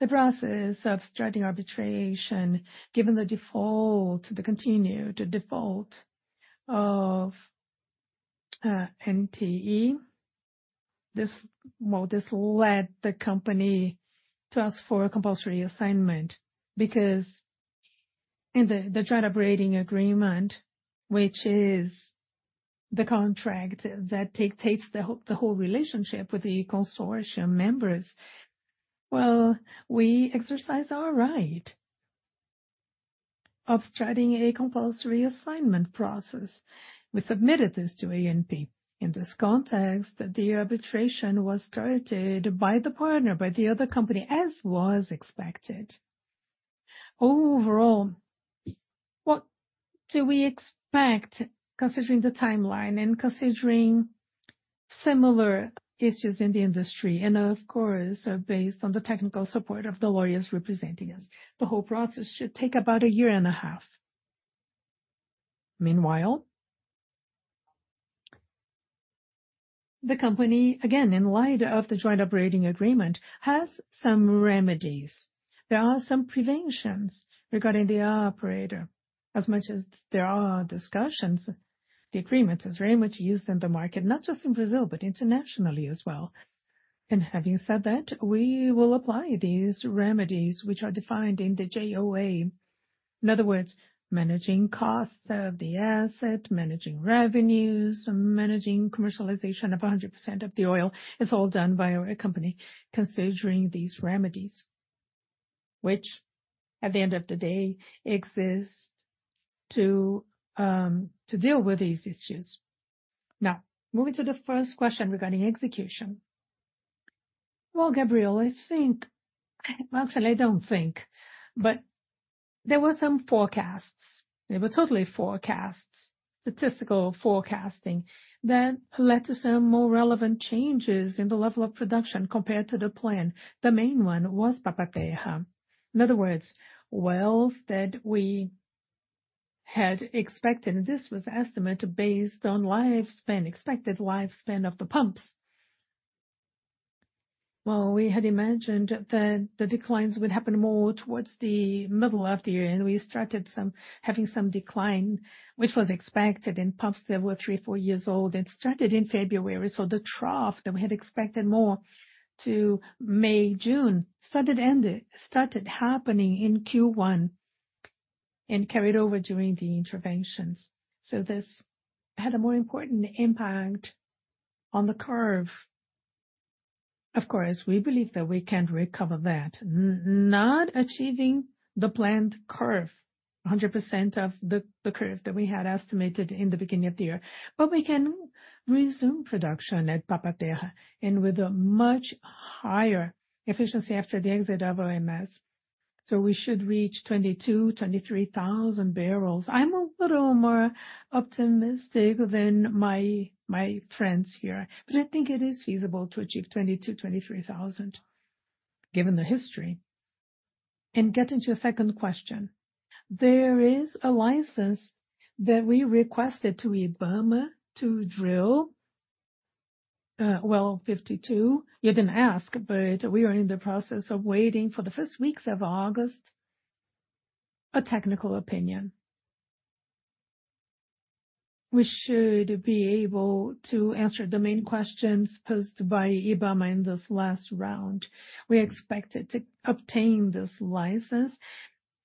The process of starting arbitration, given the default, the continued default of NTE, this led the company to ask for a compulsory assignment, because in the Joint Operating Agreement, which is the contract that takes the whole relationship with the consortium members, well, we exercise our right of starting a compulsory assignment process. We submitted this to ANP. In this context, the arbitration was started by the partner, by the other company, as was expected. Overall, what do we expect, considering the timeline and considering similar issues in the industry, and of course, based on the technical support of the lawyers representing us? The whole process should take about a year and a half. Meanwhile, the company, again, in light of the Joint Operating Agreement, has some remedies. There are some provisions regarding the operator. As much as there are discussions, the agreement is very much used in the market, not just in Brazil, but internationally as well. And having said that, we will apply these remedies, which are defined in the JOA. In other words, managing costs of the asset, managing revenues, managing commercialization of 100% of the oil, is all done by our company, considering these remedies, which at the end of the day, exist to to deal with these issues. Now, moving to the first question regarding execution. Well, Gabriel, I think, actually, I don't think, but there were some forecasts. They were totally forecasts, statistical forecasting, that led to some more relevant changes in the level of production compared to the plan. The main one was Papa-Terra. In other words, wells that we had expected, and this was estimated based on lifespan, expected lifespan of the pumps. Well, we had imagined that the declines would happen more towards the middle of the year, and we started having some decline, which was expected in pumps that were 3, 4 years old and started in February. So the trough that we had expected more to May, June, started happening in Q1 and carried over during the interventions. So this had a more important impact on the curve. Of course, we believe that we can recover that. Not achieving the planned curve, 100% of the curve that we had estimated in the beginning of the year, but we can resume production at Papa-Terra, and with a much higher efficiency after the exit of OMS. So we should reach 22,000-23,000 barrels. I'm a little more optimistic than my friends here, but I think it is feasible to achieve 22,000-23,000, given the history. And getting to your second question, there is a license that we requested to IBAMA to drill well 52. You didn't ask, but we are in the process of waiting for the first weeks of August, a technical opinion. We should be able to answer the main questions posed by IBAMA in this last round. We expected to obtain this license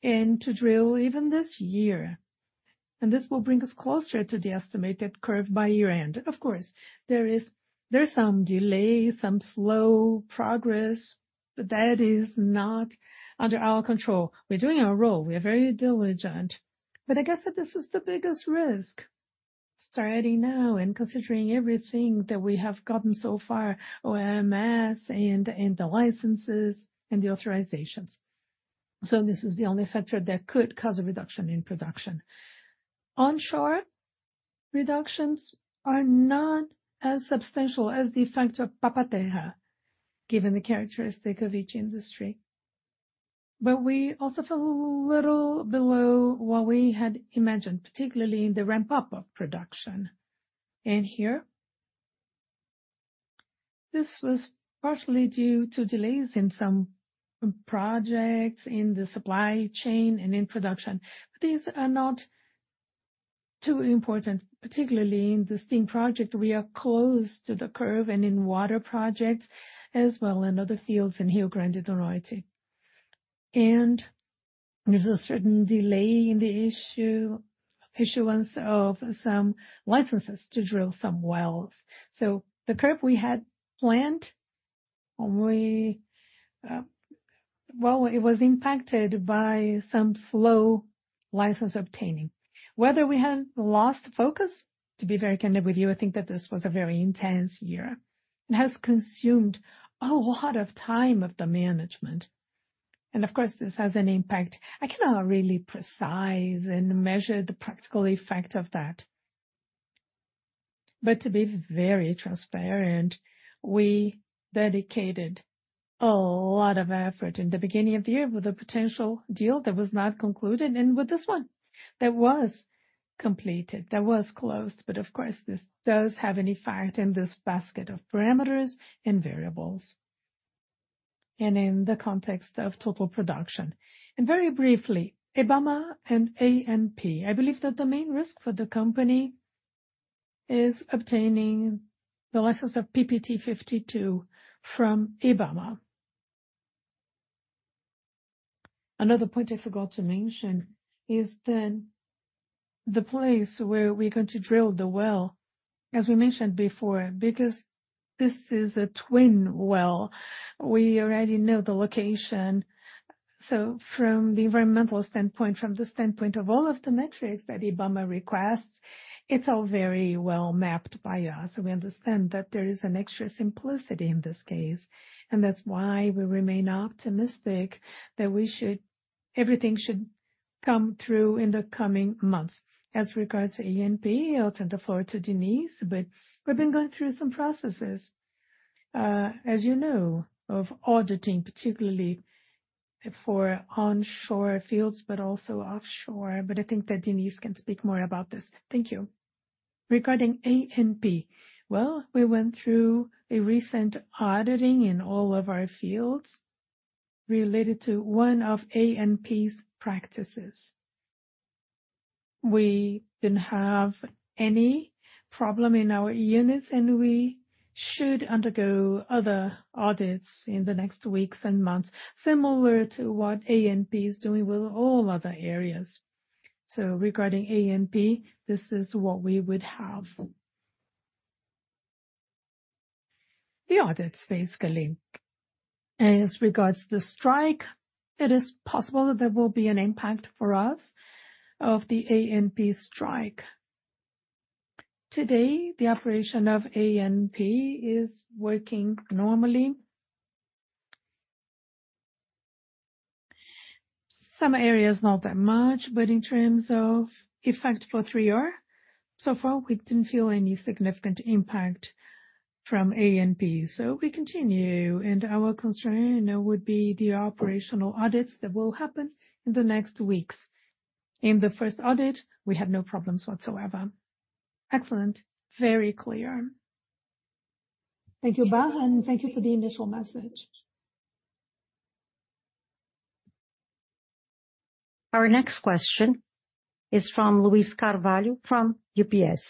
and to drill even this year, and this will bring us closer to the estimated curve by year-end. Of course, there is some delay, some slow progress, but that is not under our control. We're doing our role. We are very diligent, but I guess that this is the biggest risk, starting now and considering everything that we have gotten so far, OMS and, and the licenses and the authorizations. So this is the only factor that could cause a reduction in production. Onshore reductions are not as substantial as the factor Papa-Terra, given the characteristic of each industry. But we also fell a little below what we had imagined, particularly in the ramp-up of production. And here, this was partially due to delays in some projects in the supply chain and in production. These are not too important, particularly in the Steam project, we are close to the curve, and in water projects as well, and other fields in Rio Grande do Norte. And there's a certain delay in the issue, issuance of some licenses to drill some wells. So the curve we had planned, we... Well, it was impacted by some slow license obtaining. Whether we have lost focus? To be very candid with you, I think that this was a very intense year and has consumed a lot of time of the management. Of course, this has an impact. I cannot really specify and measure the practical effect of that. To be very transparent, we dedicated a lot of effort in the beginning of the year with a potential deal that was not concluded, and with this one that was completed, that was closed. Of course, this does have an effect in this basket of parameters and variables, and in the context of total production. Very briefly, IBAMA and ANP. I believe that the main risk for the company is obtaining the license of PPT 52 from IBAMA. Another point I forgot to mention is that the place where we're going to drill the well, as we mentioned before, because this is a twin well, we already know the location. So from the environmental standpoint, from the standpoint of all of the metrics that Ibama requests, it's all very well mapped by us. We understand that there is an extra simplicity in this case, and that's why we remain optimistic that we should, everything should come through in the coming months. As regards to ANP, I'll turn the floor to Diniz, but we've been going through some processes, as you know, of auditing, particularly for onshore fields, but also offshore. But I think that Diniz can speak more about this. Thank you. Regarding ANP, well, we went through a recent auditing in all of our fields related to one of ANP's practices. we didn't have any problem in our units, and we should undergo other audits in the next weeks and months, similar to what ANP is doing with all other areas. So regarding ANP, this is what we would have. The audits, basically. As regards to the strike, it is possible that there will be an impact for us of the ANP strike. Today, the operation of ANP is working normally. Some areas, not that much, but in terms of effect for 3R, so far, we didn't feel any significant impact from ANP. So we continue, and our concern now would be the operational audits that will happen in the next weeks. In the first audit, we had no problems whatsoever. Excellent. Very clear. Thank you, Barra, and thank you for the initial message. Our next question is from Luiz Carvalho from UBS.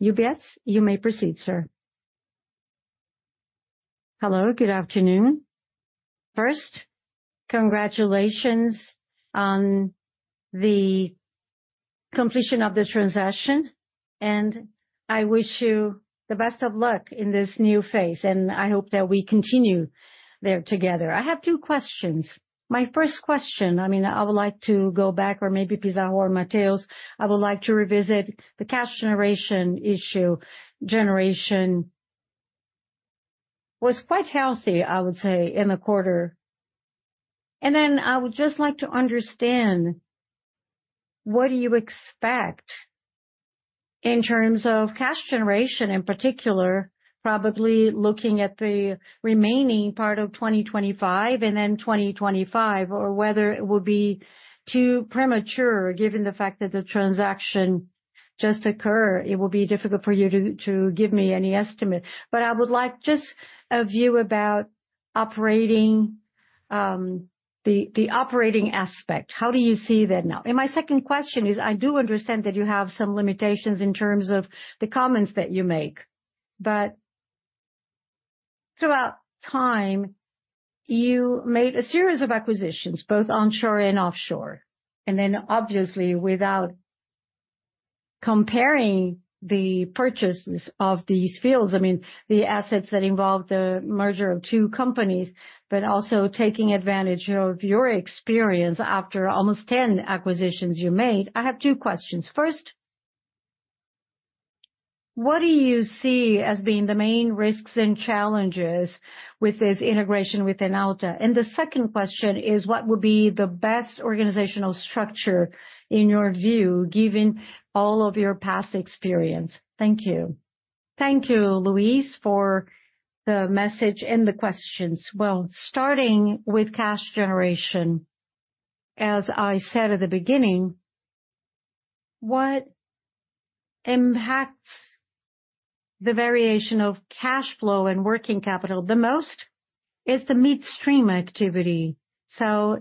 UBS, you may proceed, sir. Hello, good afternoon. First, congratulations on the completion of the transaction, and I wish you the best of luck in this new phase, and I hope that we continue there together. I have two questions. My first question, I mean, I would like to go back, or maybe Pizarro or Matheus, I would like to revisit the cash generation issue. Generation was quite healthy, I would say, in the quarter. And then I would just like to understand, what do you expect in terms of cash generation, in particular, probably looking at the remaining part of 2025 and then 2025, or whether it would be too premature, given the fact that the transaction just occurred, it will be difficult for you to, to give me any estimate. But I would like just a view about operating, the operating aspect. How do you see that now? And my second question is, I do understand that you have some limitations in terms of the comments that you make, but throughout time, you made a series of acquisitions, both onshore and offshore. And then, obviously, without comparing the purchases of these fields, I mean, the assets that involve the merger of two companies, but also taking advantage of your experience after almost 10 acquisitions you made, I have two questions. First, what do you see as being the main risks and challenges with this integration with Enauta? And the second question is, what would be the best organizational structure, in your view, given all of your past experience? Thank you. Thank you, Luiz, for the message and the questions. Well, starting with cash generation, as I said at the beginning, what impacts the variation of cash flow and working capital the most is the midstream activity. So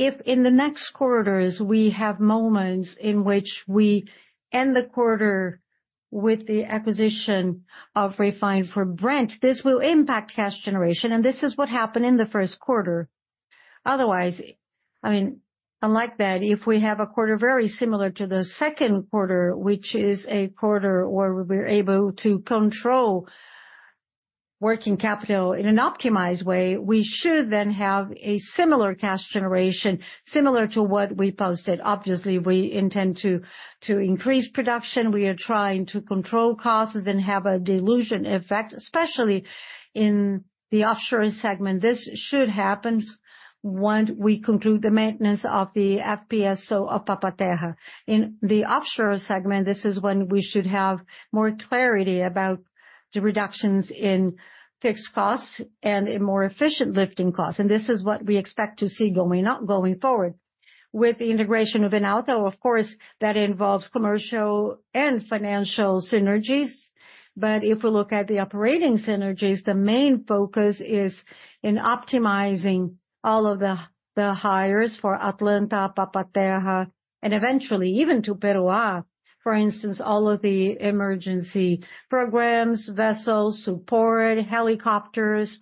if in the next quarters, we have moments in which we end the quarter with the acquisition of refined for Brent, this will impact cash generation, and this is what happened in the first quarter. Otherwise, I mean, unlike that, if we have a quarter very similar to the second quarter, which is a quarter where we're able to control working capital in an optimized way, we should then have a similar cash generation, similar to what we posted. Obviously, we intend to increase production. We are trying to control costs and have a dilution effect, especially in the offshore segment. This should happen once we conclude the maintenance of the FPSO of Papa-Terra. In the offshore segment, this is when we should have more clarity about the reductions in fixed costs and in more efficient lifting costs, and this is what we expect to see going up, going forward. With the integration of Enauta, of course, that involves commercial and financial synergies. But if we look at the operating synergies, the main focus is in optimizing all of the hires for Atlanta, Papa-Terra, and eventually, even to Peroa. For instance, all of the emergency programs, vessels, support, helicopters,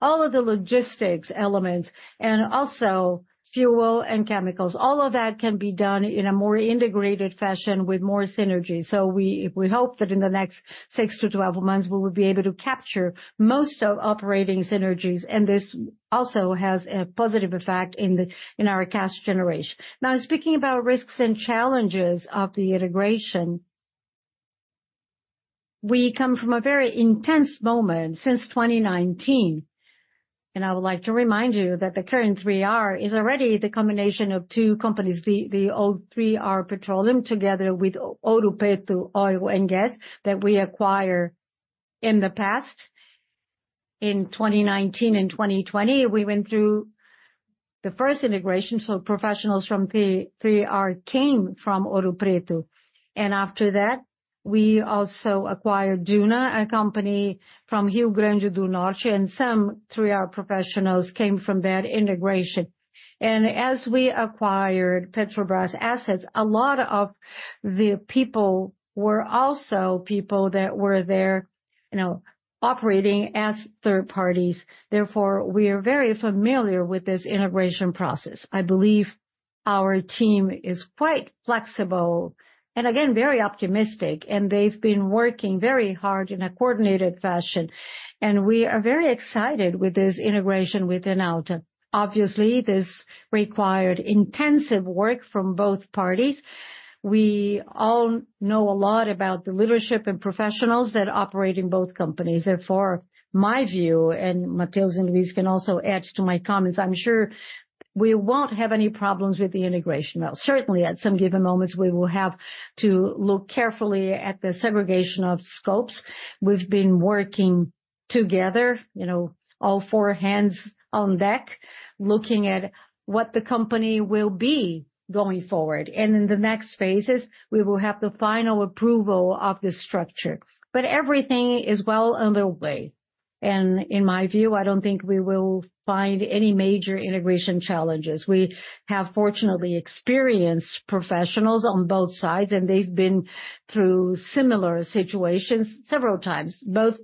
all of the logistics elements, and also fuel and chemicals. All of that can be done in a more integrated fashion with more synergy. So we hope that in the next 6-12 months, we will be able to capture most of operating synergies, and this also has a positive effect in our cash generation. Now, speaking about risks and challenges of the integration, we come from a very intense moment since 2019, and I would like to remind you that the current 3R is already the combination of two companies, the old 3R Petroleum, together with Ouro Preto Óleo e Gás, that we acquired in the past. In 2019 and 2020, we went through the first integration, so professionals from the 3R came from Ouro Preto, and after that, we also acquired Duna, a company from Rio Grande do Norte, and some 3R professionals came from that integration. And as we acquired Petrobras assets, a lot of the people were also people that were there, you know, operating as third parties. Therefore, we are very familiar with this integration process. I believe our team is quite flexible and again, very optimistic, and they've been working very hard in a coordinated fashion. We are very excited with this integration with Enauta. Obviously, this required intensive work from both parties. We all know a lot about the leadership and professionals that operate in both companies. Therefore, my view, and Matheus and Luiz can also add to my comments, I'm sure we won't have any problems with the integration. Well, certainly, at some given moments, we will have to look carefully at the segregation of scopes. We've been working together, you know, all four hands on deck, looking at what the company will be going forward. In the next phases, we will have the final approval of the structure. Everything is well underway, and in my view, I don't think we will find any major integration challenges. We have, fortunately, experienced professionals on both sides, and they've been through similar situations several times, both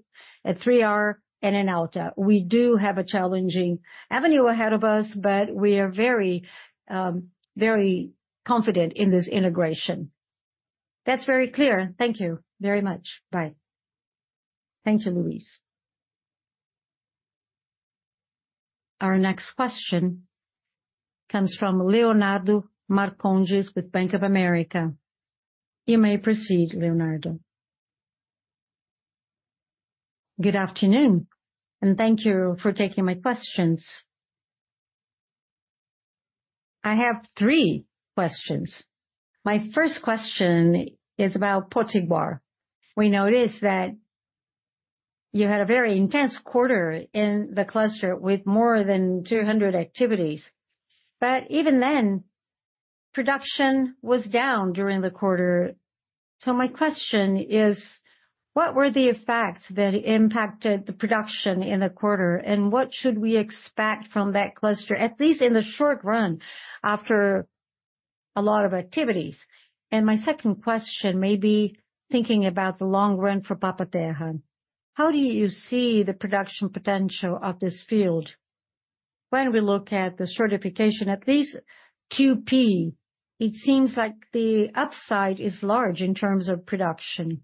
at 3R and Enauta. We do have a challenging avenue ahead of us, but we are very, very confident in this integration. That's very clear. Thank you very much. Bye. Thank you, Luiz. Our next question comes from Leonardo Marcondes with Bank of America. You may proceed, Leonardo. Good afternoon, and thank you for taking my questions. I have three questions. My first question is about Potiguar. We noticed that you had a very intense quarter in the cluster with more than 200 activities, but even then, production was down during the quarter. So my question is: What were the effects that impacted the production in the quarter, and what should we expect from that cluster, at least in the short run, after a lot of activities? My second question may be thinking about the long run for Papa-Terra. How do you see the production potential of this field? When we look at the certification, at least QP, it seems like the upside is large in terms of production.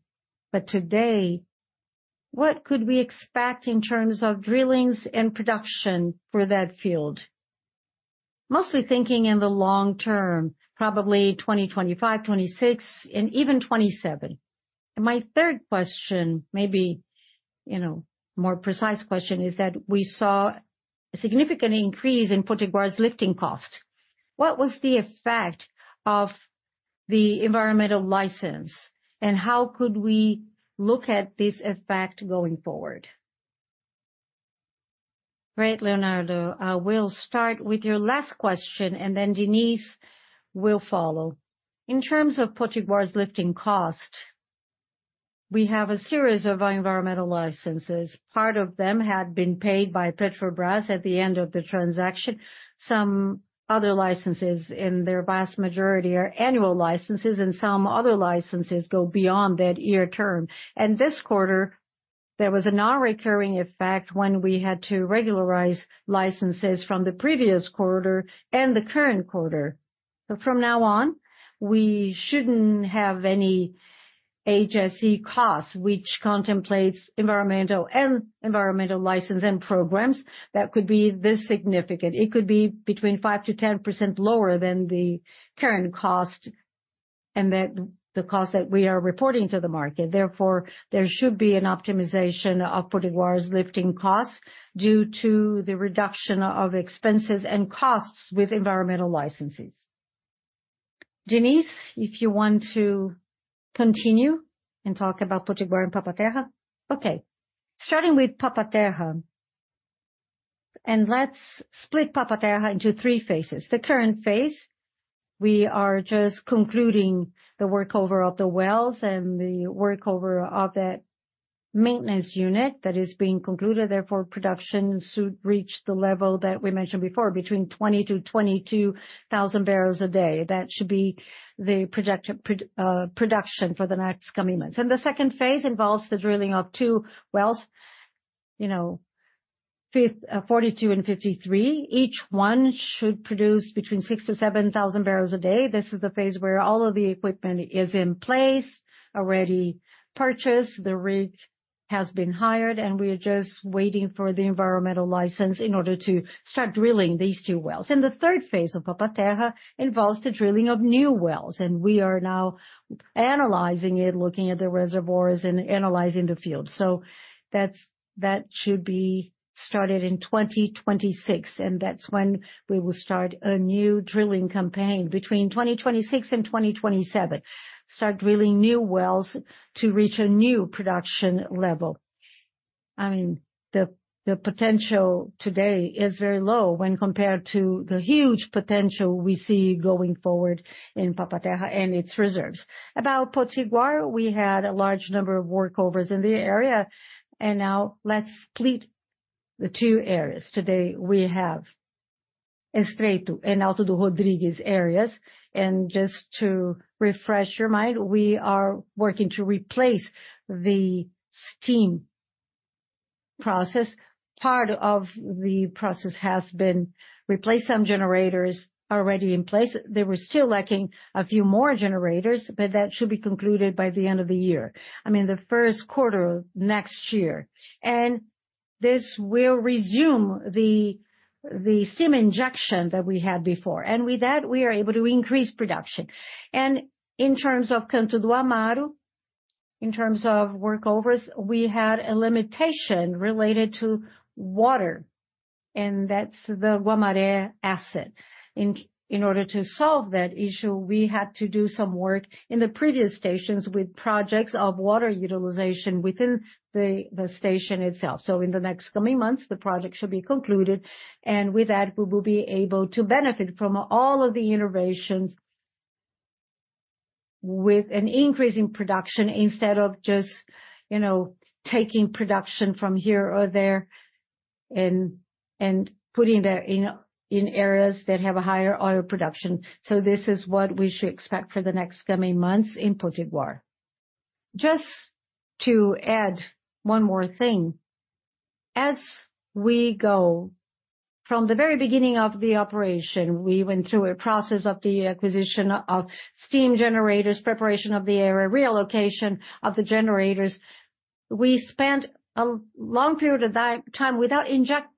But today, what could we expect in terms of drillings and production for that field? Mostly thinking in the long term, probably 2025, 2026, and even 2027. And my third question, maybe, you know, more precise question, is that we saw a significant increase in Potiguar's lifting cost. What was the effect of the environmental license, and how could we look at this effect going forward? Great, Leonardo. We'll start with your last question, and then Diniz will follow. In terms of Potiguar's lifting cost, we have a series of environmental licenses. Part of them had been paid by Petrobras at the end of the transaction. Some other licenses, in their vast majority, are annual licenses, and some other licenses go beyond that year term. This quarter, there was a non-recurring effect when we had to regularize licenses from the previous quarter and the current quarter. From now on, we shouldn't have any HSE costs, which contemplates environmental and environmental license and programs that could be this significant. It could be between 5%-10% lower than the current cost, and that the cost that we are reporting to the market. Therefore, there should be an optimization of Potiguar's lifting costs due to the reduction of expenses and costs with environmental licenses. Diniz, if you want to continue and talk about Potiguar and Papa-Terra? Okay, starting with Papa-Terra, and let's split Papa-Terra into three phases. The current phase, we are just concluding the workover of the wells and the workover of that maintenance unit that is being concluded. Therefore, production should reach the level that we mentioned before, between 20-22,000 barrels a day. That should be the projected production for the next coming months. The second phase involves the drilling of two wells, you know, 42 and 53. Each one should produce between 6-7,000 barrels a day. This is the phase where all of the equipment is in place, already purchased, the rig has been hired, and we are just waiting for the environmental license in order to start drilling these two wells. The third phase of Papa-Terra involves the drilling of new wells, and we are now analyzing it, looking at the reservoirs and analyzing the field. So that's, that should be started in 2026, and that's when we will start a new drilling campaign between 2026 and 2027, start drilling new wells to reach a new production level. I mean, the, the potential today is very low when compared to the huge potential we see going forward in Papa-Terra and its reserves. About Potiguar, we had a large number of workovers in the area, and now let's split the two areas. Today, we have Estreito and Alto do Rodrigues areas. Just to refresh your mind, we are working to replace the steam process. Part of the process has been replaced, some generators are already in place. They were still lacking a few more generators, but that should be concluded by the end of the year, I mean, the first quarter of next year. This will resume the steam injection that we had before, and with that, we are able to increase production. In terms of Canto do Amaro, in terms of workovers, we had a limitation related to water, and that's the Guamaré asset. In order to solve that issue, we had to do some work in the previous stations with projects of water utilization within the station itself. In the next coming months, the project should be concluded, and with that, we will be able to benefit from all of the innovations with an increase in production instead of just, you know, taking production from here or there and putting that in areas that have a higher oil production. This is what we should expect for the next coming months in Potiguar. Just to add one more thing, as we go from the very beginning of the operation, we went through a process of the acquisition of steam generators, preparation of the area, relocation of the generators. We spent a long period of downtime without injecting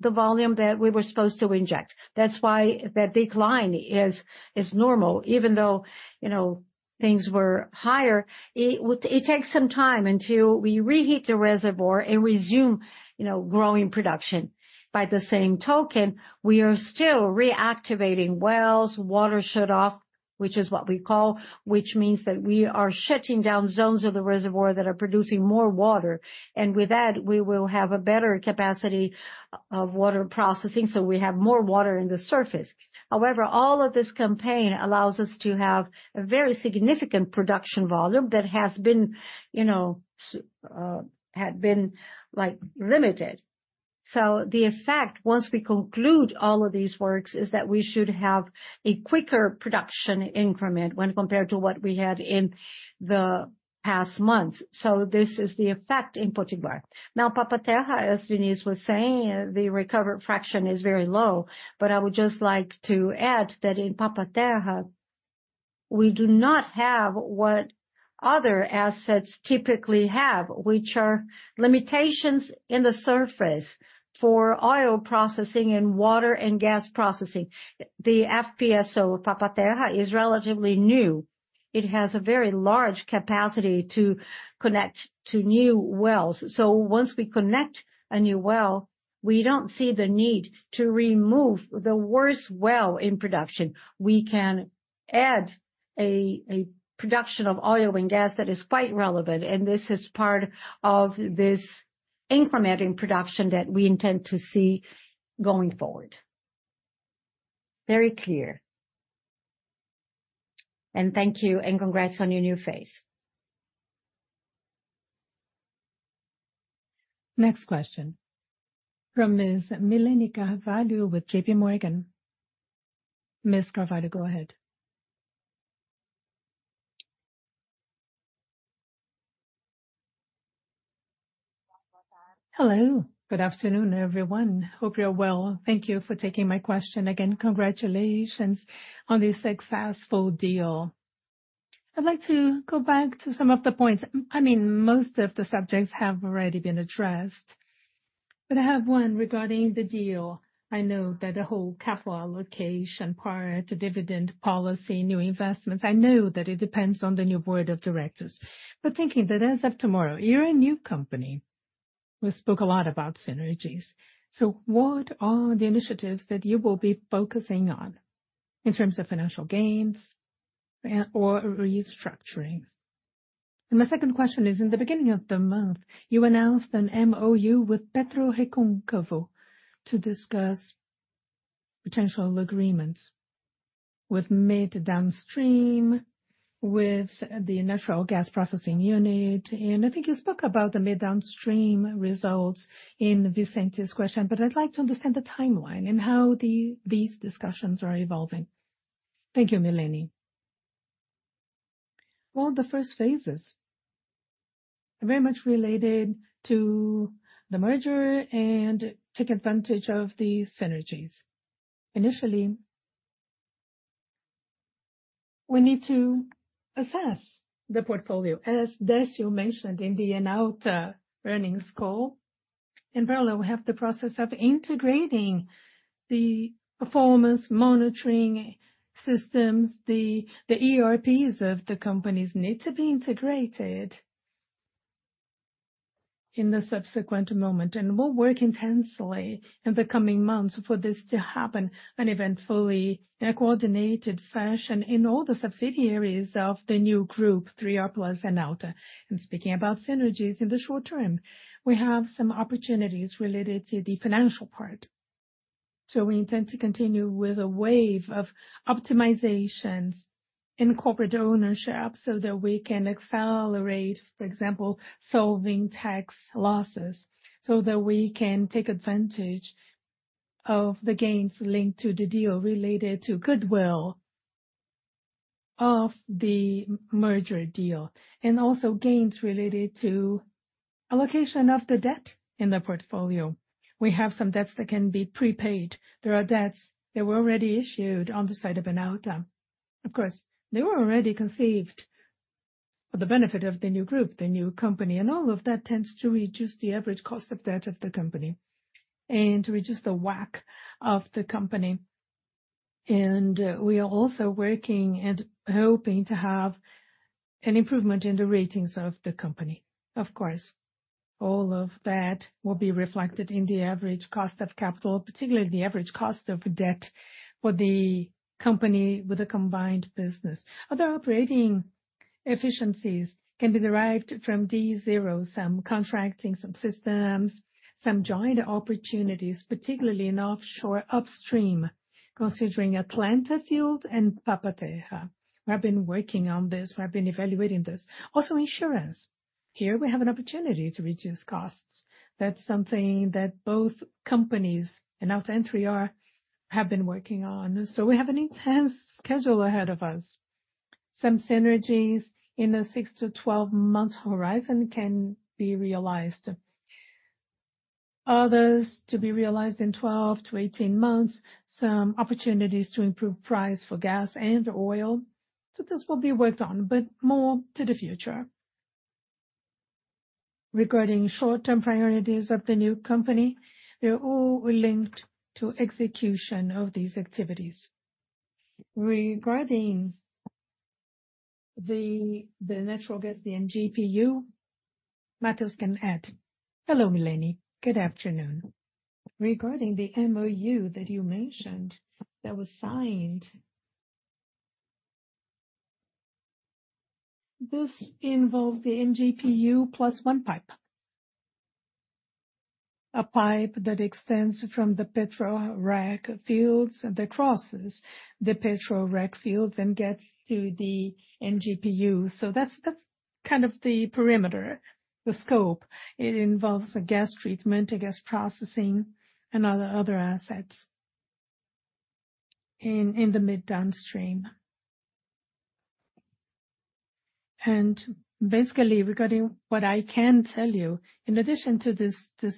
the volume that we were supposed to inject. That's why that decline is normal. Even though, you know, things were higher, it takes some time until we reheat the reservoir and resume, you know, growing production. By the same token, we are still reactivating wells, water shutoff, which is what we call, which means that we are shutting down zones of the reservoir that are producing more water. And with that, we will have a better capacity of water processing, so we have more water in the surface. However, all of this campaign allows us to have a very significant production volume that has been, you know, had been, like, limited. So the effect, once we conclude all of these works, is that we should have a quicker production increment when compared to what we had in the past months. So this is the effect in Potiguar. Now, Papa-Terra, as Diniz was saying, the recovered fraction is very low. But I would just like to add that in Papa-Terra, we do not have what other assets typically have, which are limitations in the surface for oil processing and water and gas processing. The FPSO of Papa-Terra is relatively new. It has a very large capacity to connect to new wells. So once we connect a new well, we don't see the need to remove the worst well in production. We can add a production of oil and gas that is quite relevant, and this is part of this increment in production that we intend to see going forward. Very clear. Thank you, and congrats on your new phase. Next question from Ms. Milene Carvalho with J.P. Morgan. Ms. Carvalho, go ahead. Hello, good afternoon, everyone. Hope you're well. Thank you for taking my question. Again, congratulations on the successful deal. I'd like to go back to some of the points. I mean, most of the subjects have already been addressed, but I have one regarding the deal. I know that the whole capital allocation prior to dividend policy, new investments, I know that it depends on the new board of directors. But thinking that as of tomorrow, you're a new company, we spoke a lot about synergies. So what are the initiatives that you will be focusing on in terms of financial gains and/or restructuring? And my second question is, in the beginning of the month, you announced an MOU with PetroRecôncavo to discuss potential agreements with midstream, with the natural gas processing unit. And I think you spoke about the mid downstream results in Vicente's question, but I'd like to understand the timeline and how these discussions are evolving. Thank you, Milene. Well, the first phases are very much related to the merger and take advantage of the synergies. Initially, we need to assess the portfolio, as Décio mentioned in the Enauta earnings call. In parallel, we have the process of integrating the performance monitoring systems. The ERPs of the companies need to be integrated in the subsequent moment, and we'll work intensely in the coming months for this to happen, and even fully in a coordinated fashion in all the subsidiaries of the new Group 3R Plus and Enauta. Speaking about synergies in the short term, we have some opportunities related to the financial part.... So we intend to continue with a wave of optimizations in corporate ownership, so that we can accelerate, for example, solving tax losses, so that we can take advantage of the gains linked to the deal related to goodwill of the merger deal, and also gains related to allocation of the debt in the portfolio. We have some debts that can be prepaid. There are debts that were already issued on the side of Enauta. Of course, they were already conceived for the benefit of the new group, the new company, and all of that tends to reduce the average cost of debt of the company, and to reduce the WACC of the company. We are also working and hoping to have an improvement in the ratings of the company. Of course, all of that will be reflected in the average cost of capital, particularly the average cost of debt for the company with a combined business. Other operating efficiencies can be derived from day zero, some contracting, some systems, some joint opportunities, particularly in offshore upstream, considering Atlanta field and Papa-Terra. We have been working on this, we have been evaluating this. Also, insurance. Here we have an opportunity to reduce costs. That's something that both companies, and Enauta, have been working on. So we have an intense schedule ahead of us. Some synergies in a 6-12-month horizon can be realized. Others, to be realized in 12-18 months, some opportunities to improve price for gas and oil. So this will be worked on, but more to the future. Regarding short-term priorities of the new company, they're all linked to execution of these activities. Regarding the natural gas, the NGPU, Matheus can add. Hello, Milene. Good afternoon. Regarding the MOU that you mentioned, that was signed. This involves the NGPU plus one pipe. A pipe that extends from the PetroRecôncavo fields, and that crosses the PetroRecôncavo fields and gets to the NGPU. So that's, that's kind of the perimeter, the scope. It involves a gas treatment, a gas processing, and other, other assets in, in the midstream. Basically, regarding what I can tell you, in addition to this, this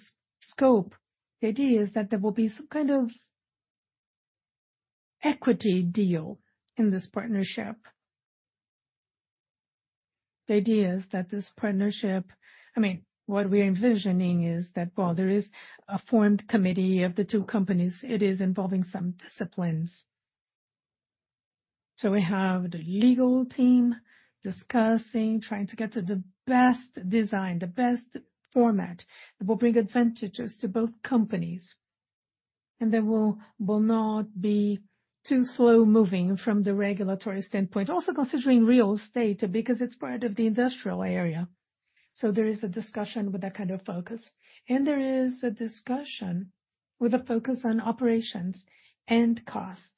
scope, the idea is that there will be some kind of equity deal in this partnership. The idea is that this partnership, I mean, what we're envisioning is that, well, there is a formed committee of the two companies. It is involving some disciplines. So we have the legal team discussing, trying to get to the best design, the best format, that will bring advantages to both companies, and they will, will not be too slow-moving from the regulatory standpoint. Also considering real estate, because it's part of the industrial area. So there is a discussion with that kind of focus, and there is a discussion with a focus on operations and costs.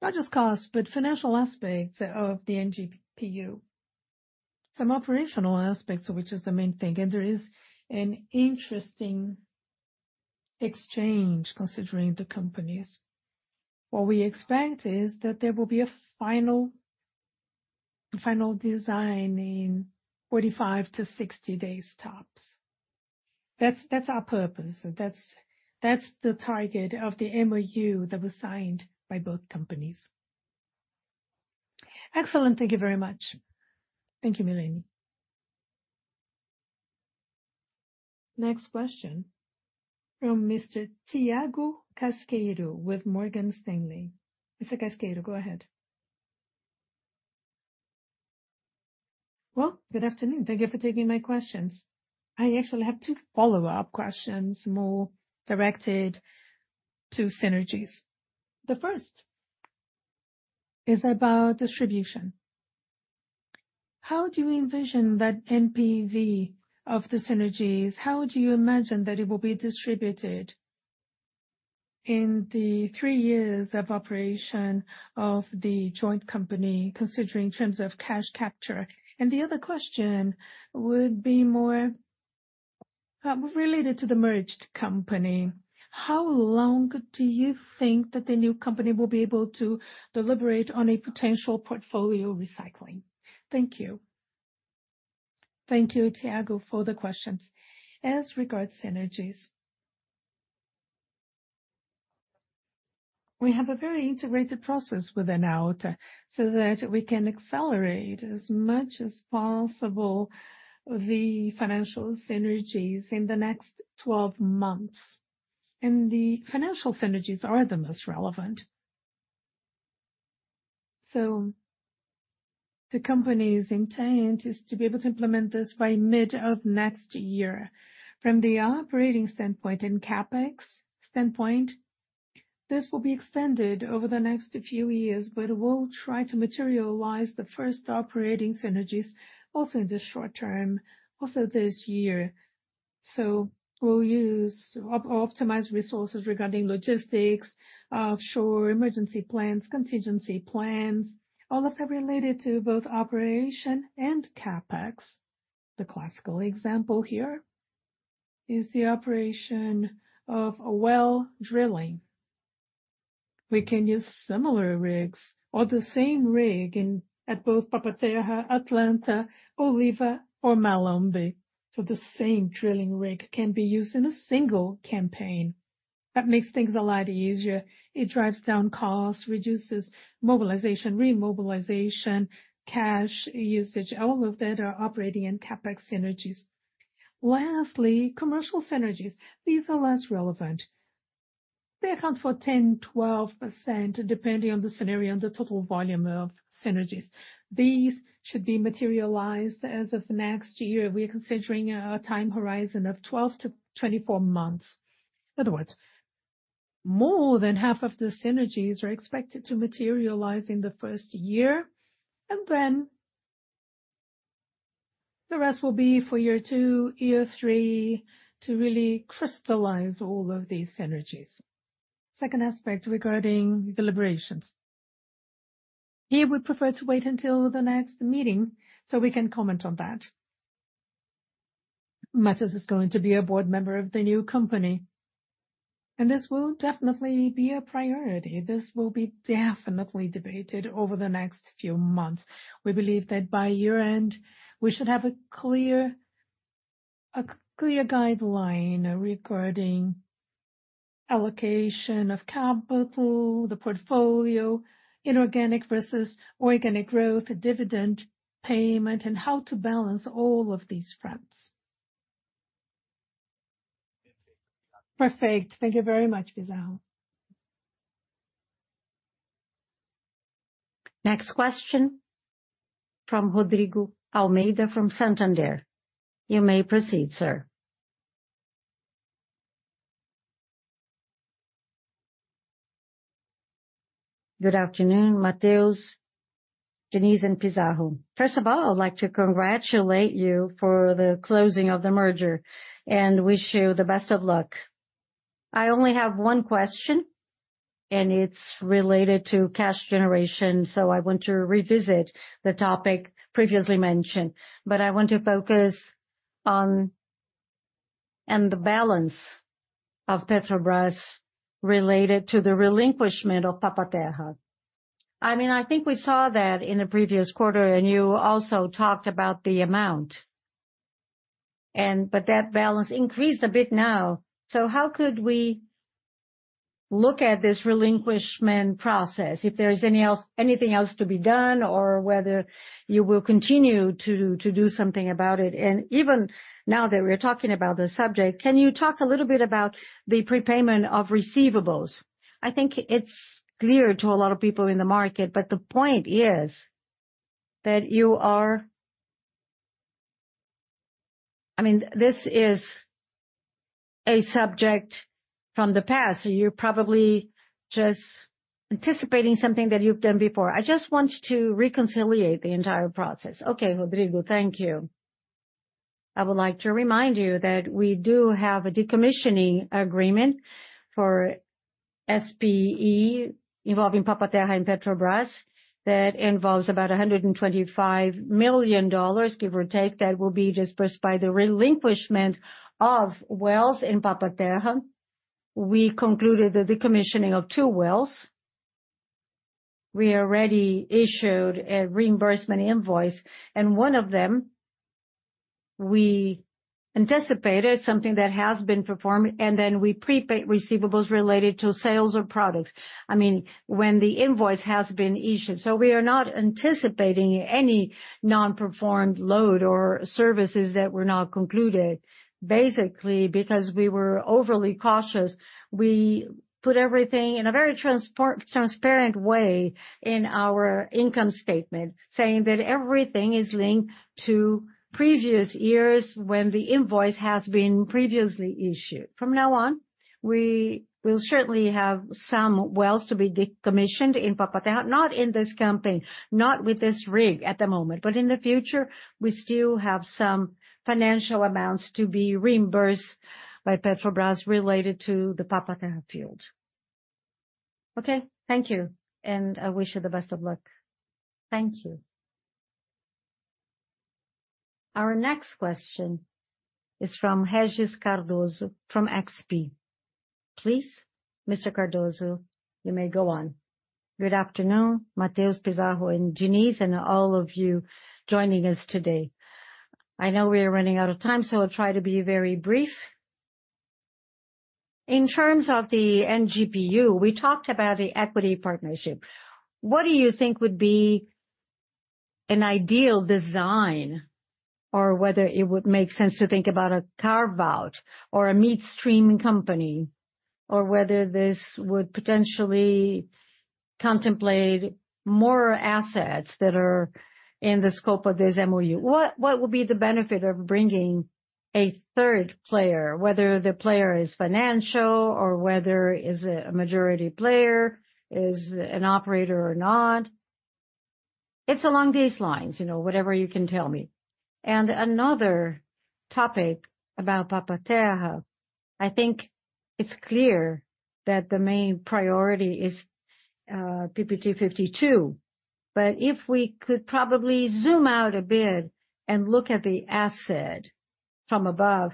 Not just costs, but financial aspects of the NGPU. Some operational aspects, which is the main thing, and there is an interesting exchange considering the companies. What we expect is that there will be a final, final design in 45-60 days, tops. That's our purpose, that's the target of the MOU that was signed by both companies. Excellent. Thank you very much. Thank you, Milene. Next question from Mr. Thiago Casqueiro, with Morgan Stanley. Mr. Casqueiro, go ahead. Well, good afternoon. Thank you for taking my questions. I actually have two follow-up questions, more directed to synergies. The first is about distribution. How do you envision that NPV of the synergies, how do you imagine that it will be distributed in the three years of operation of the joint company, considering terms of cash capture? And the other question would be more related to the merged company. How long do you think that the new company will be able to deliberate on a potential portfolio recycling? Thank you. Thank you, Thiago, for the questions. As regards synergies, we have a very integrated process with Enauta, so that we can accelerate as much as possible the financial synergies in the next 12 months. And the financial synergies are the most relevant. So the company's intent is to be able to implement this by mid of next year. From the operating standpoint and CapEx standpoint. This will be extended over the next few years, but we'll try to materialize the first operating synergies also in the short term, also this year. So we'll use optimized resources regarding logistics, shore emergency plans, contingency plans, all of that related to both operation and CapEx. The classical example here is the operation of a well drilling. We can use similar rigs or the same rig in at both Papa-Terra, Atlanta, Oliva or Malomba. So the same drilling rig can be used in a single campaign. That makes things a lot easier. It drives down costs, reduces mobilization, remobilization, cash usage, all of that are operating in CapEx synergies. Lastly, commercial synergies. These are less relevant. They account for 10-12%, depending on the scenario and the total volume of synergies. These should be materialized as of next year. We are considering a time horizon of 12-24 months. In other words, more than half of the synergies are expected to materialize in the first year, and then the rest will be for year two, year three, to really crystallize all of these synergies. Second aspect regarding deliberations. Here, we prefer to wait until the next meeting, so we can comment on that. Matheus is going to be a board member of the new company, and this will definitely be a priority. This will be definitely debated over the next few months. We believe that by year-end, we should have a clear guideline regarding allocation of capital, the portfolio, inorganic versus organic growth, dividend payment, and how to balance all of these fronts. Perfect. Thank you very much, Pizarro. Next question from Rodrigo Almeida, from Santander. You may proceed, sir. Good afternoon, Matheus, Diniz, and Pizarro. First of all, I'd like to congratulate you for the closing of the merger and wish you the best of luck. I only have one question, and it's related to cash generation, so I want to revisit the topic previously mentioned, but I want to focus on the balance of Petrobras related to the relinquishment of Papa-Terra. I mean, I think we saw that in the previous quarter, and you also talked about the amount, and but that balance increased a bit now. So how could we look at this relinquishment process, if there is any else, anything else to be done, or whether you will continue to do something about it? And even now that we're talking about the subject, can you talk a little bit about the prepayment of receivables? I think it's clear to a lot of people in the market, but the point is that you are... I mean, this is a subject from the past, so you're probably just anticipating something that you've done before. I just want to reconcile the entire process. Okay, Rodrigo, thank you. I would like to remind you that we do have a decommissioning agreement for SPE, involving Papa-Terra and Petrobras, that involves about $125 million, give or take, that will be dispersed by the relinquishment of wells in Papa-Terra. We concluded the decommissioning of two wells. We already issued a reimbursement invoice, and one of them, we anticipated something that has been performed, and then we prepaid receivables related to sales of products, I mean, when the invoice has been issued. So we are not anticipating any non-performed load or services that were not concluded. Basically, because we were overly cautious, we put everything in a very transparent way in our income statement, saying that everything is linked to previous years when the invoice has been previously issued. From now on, we will certainly have some wells to be decommissioned in Papa-Terra, not in this campaign, not with this rig at the moment, but in the future, we still have some financial amounts to be reimbursed by Petrobras related to the Papa-Terra field. Okay, thank you, and I wish you the best of luck. Thank you. Our next question is from Regis Cardoso from XP. Please, Mr. Cardoso, you may go on. Good afternoon, Matheus, Pizarro, and Diniz, and all of you joining us today. I know we are running out of time, so I'll try to be very brief. In terms of the NGPU, we talked about the equity partnership. What do you think would be an ideal design or whether it would make sense to think about a carve-out or a midstream company, or whether this would potentially contemplate more assets that are in the scope of this MOU. What, what will be the benefit of bringing a third player, whether the player is financial or whether is it a majority player, is an operator or not? It's along these lines, you know, whatever you can tell me. And another topic about Papa-Terra, I think it's clear that the main priority is PPT-52. But if we could probably zoom out a bit and look at the asset from above,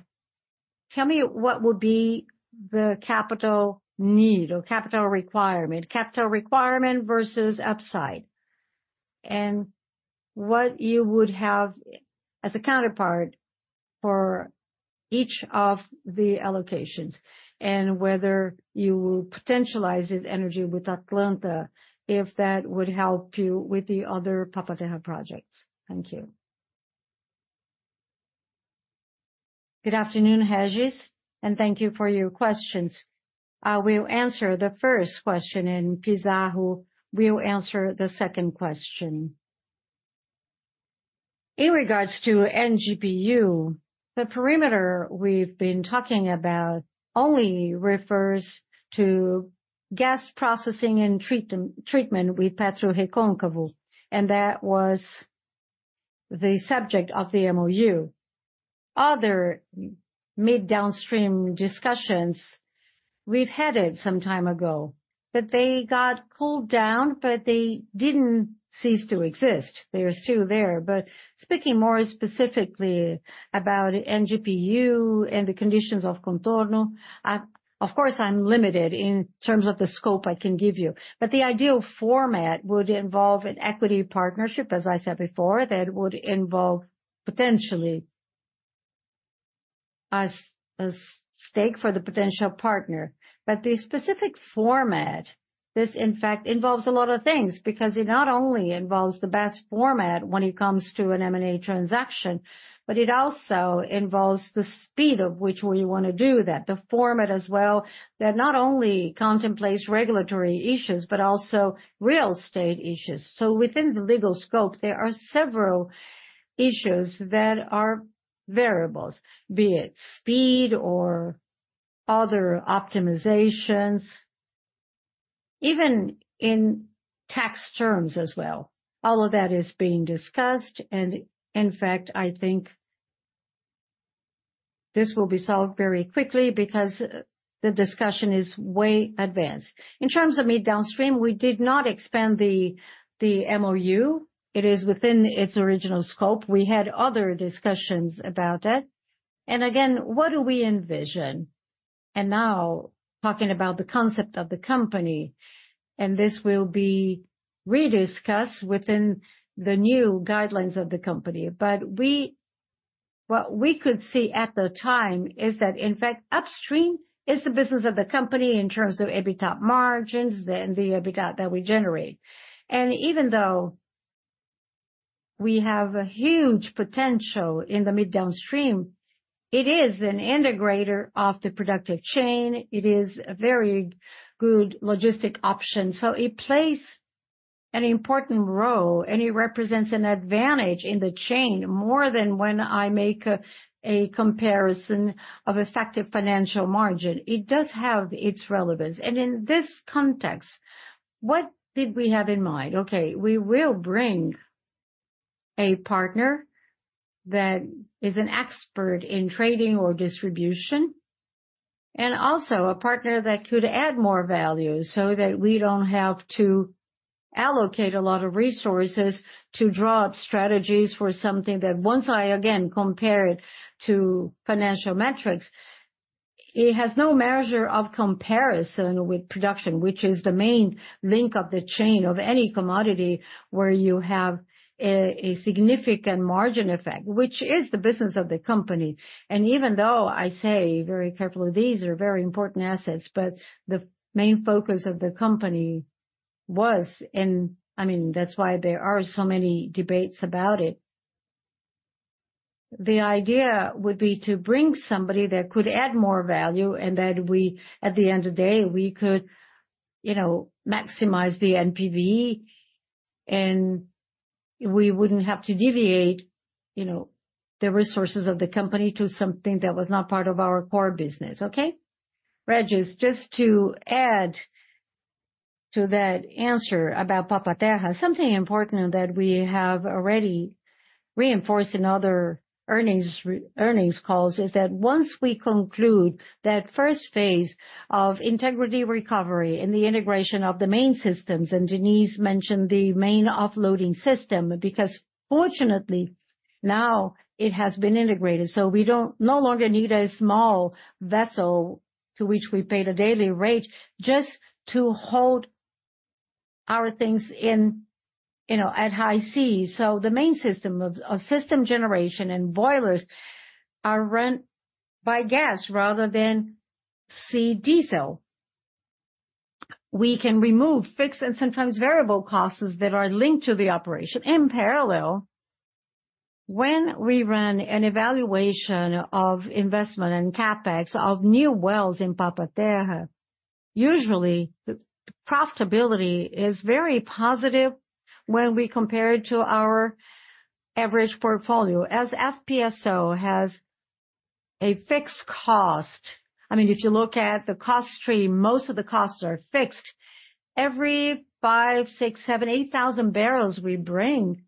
tell me what would be the capital need or capital requirement, capital requirement versus upside? And what you would have as a counterpart for each of the allocations, and whether you will potentialize this energy with Atlanta, if that would help you with the other Papa-Terra projects. Thank you. Good afternoon, Regis, and thank you for your questions. I will answer the first question, and Pizarro will answer the second question. In regards to NGPU, the perimeter we've been talking about only refers to gas processing and treatment with PetroRecôncavo, and that was the subject of the MOU. Other mid downstream discussions we've had it some time ago, but they got pulled down, but they didn't cease to exist. They are still there. Speaking more specifically about NGPU and the conditions of Contorno, of course, I'm limited in terms of the scope I can give you. But the ideal format would involve an equity partnership, as I said before, that would involve potentially a stake for the potential partner. But the specific format, this in fact, involves a lot of things, because it not only involves the best format when it comes to an M&A transaction, but it also involves the speed of which we want to do that, the format as well, that not only contemplates regulatory issues, but also real estate issues. So within the legal scope, there are several issues that are variables, be it speed or other optimizations, even in tax terms as well. All of that is being discussed, and in fact, I think this will be solved very quickly because the discussion is way advanced. In terms of mid downstream, we did not expand the MOU. It is within its original scope. We had other discussions about that. And again, what do we envision? And now, talking about the concept of the company, and this will be rediscussed within the new guidelines of the company. But what we could see at the time is that, in fact, upstream is the business of the company in terms of EBITDA margins, then the EBITDA that we generate. And even though we have a huge potential in the mid downstream, it is an integrator of the productive chain. It is a very good logistic option. So it plays an important role, and it represents an advantage in the chain more than when I make a comparison of effective financial margin. It does have its relevance. And in this context, what did we have in mind? Okay, we will bring a partner that is an expert in trading or distribution, and also a partner that could add more value so that we don't have to allocate a lot of resources to draw up strategies for something that once again I compare it to financial metrics, it has no measure of comparison with production, which is the main link of the chain of any commodity where you have a significant margin effect, which is the business of the company. And even though I say very carefully, these are very important assets, but the main focus of the company was in... I mean, that's why there are so many debates about it. The idea would be to bring somebody that could add more value and that we, at the end of the day, we could, you know, maximize the NPV, and we wouldn't have to deviate, you know, the resources of the company to something that was not part of our core business. Okay? Regis, just to add to that answer about Papa-Terra, something important that we have already reinforced in other earnings, earnings calls, is that once we conclude that first phase of integrity recovery and the integration of the main systems, and Diniz mentioned the main offloading system, because fortunately, now it has been integrated, so we don't no longer need a small vessel to which we pay the daily rate just to hold our things in, you know, at high seas. The main system of system generation and boilers are run by gas rather than sea diesel. We can remove fixed and sometimes variable costs that are linked to the operation in parallel. When we run an evaluation of investment and CapEx of new wells in Papa-Terra, usually the profitability is very positive when we compare it to our average portfolio. As FPSO has a fixed cost, I mean, if you look at the cost stream, most of the costs are fixed. Every 5,000, 6,000, 7,000, 8,000 barrels we bring,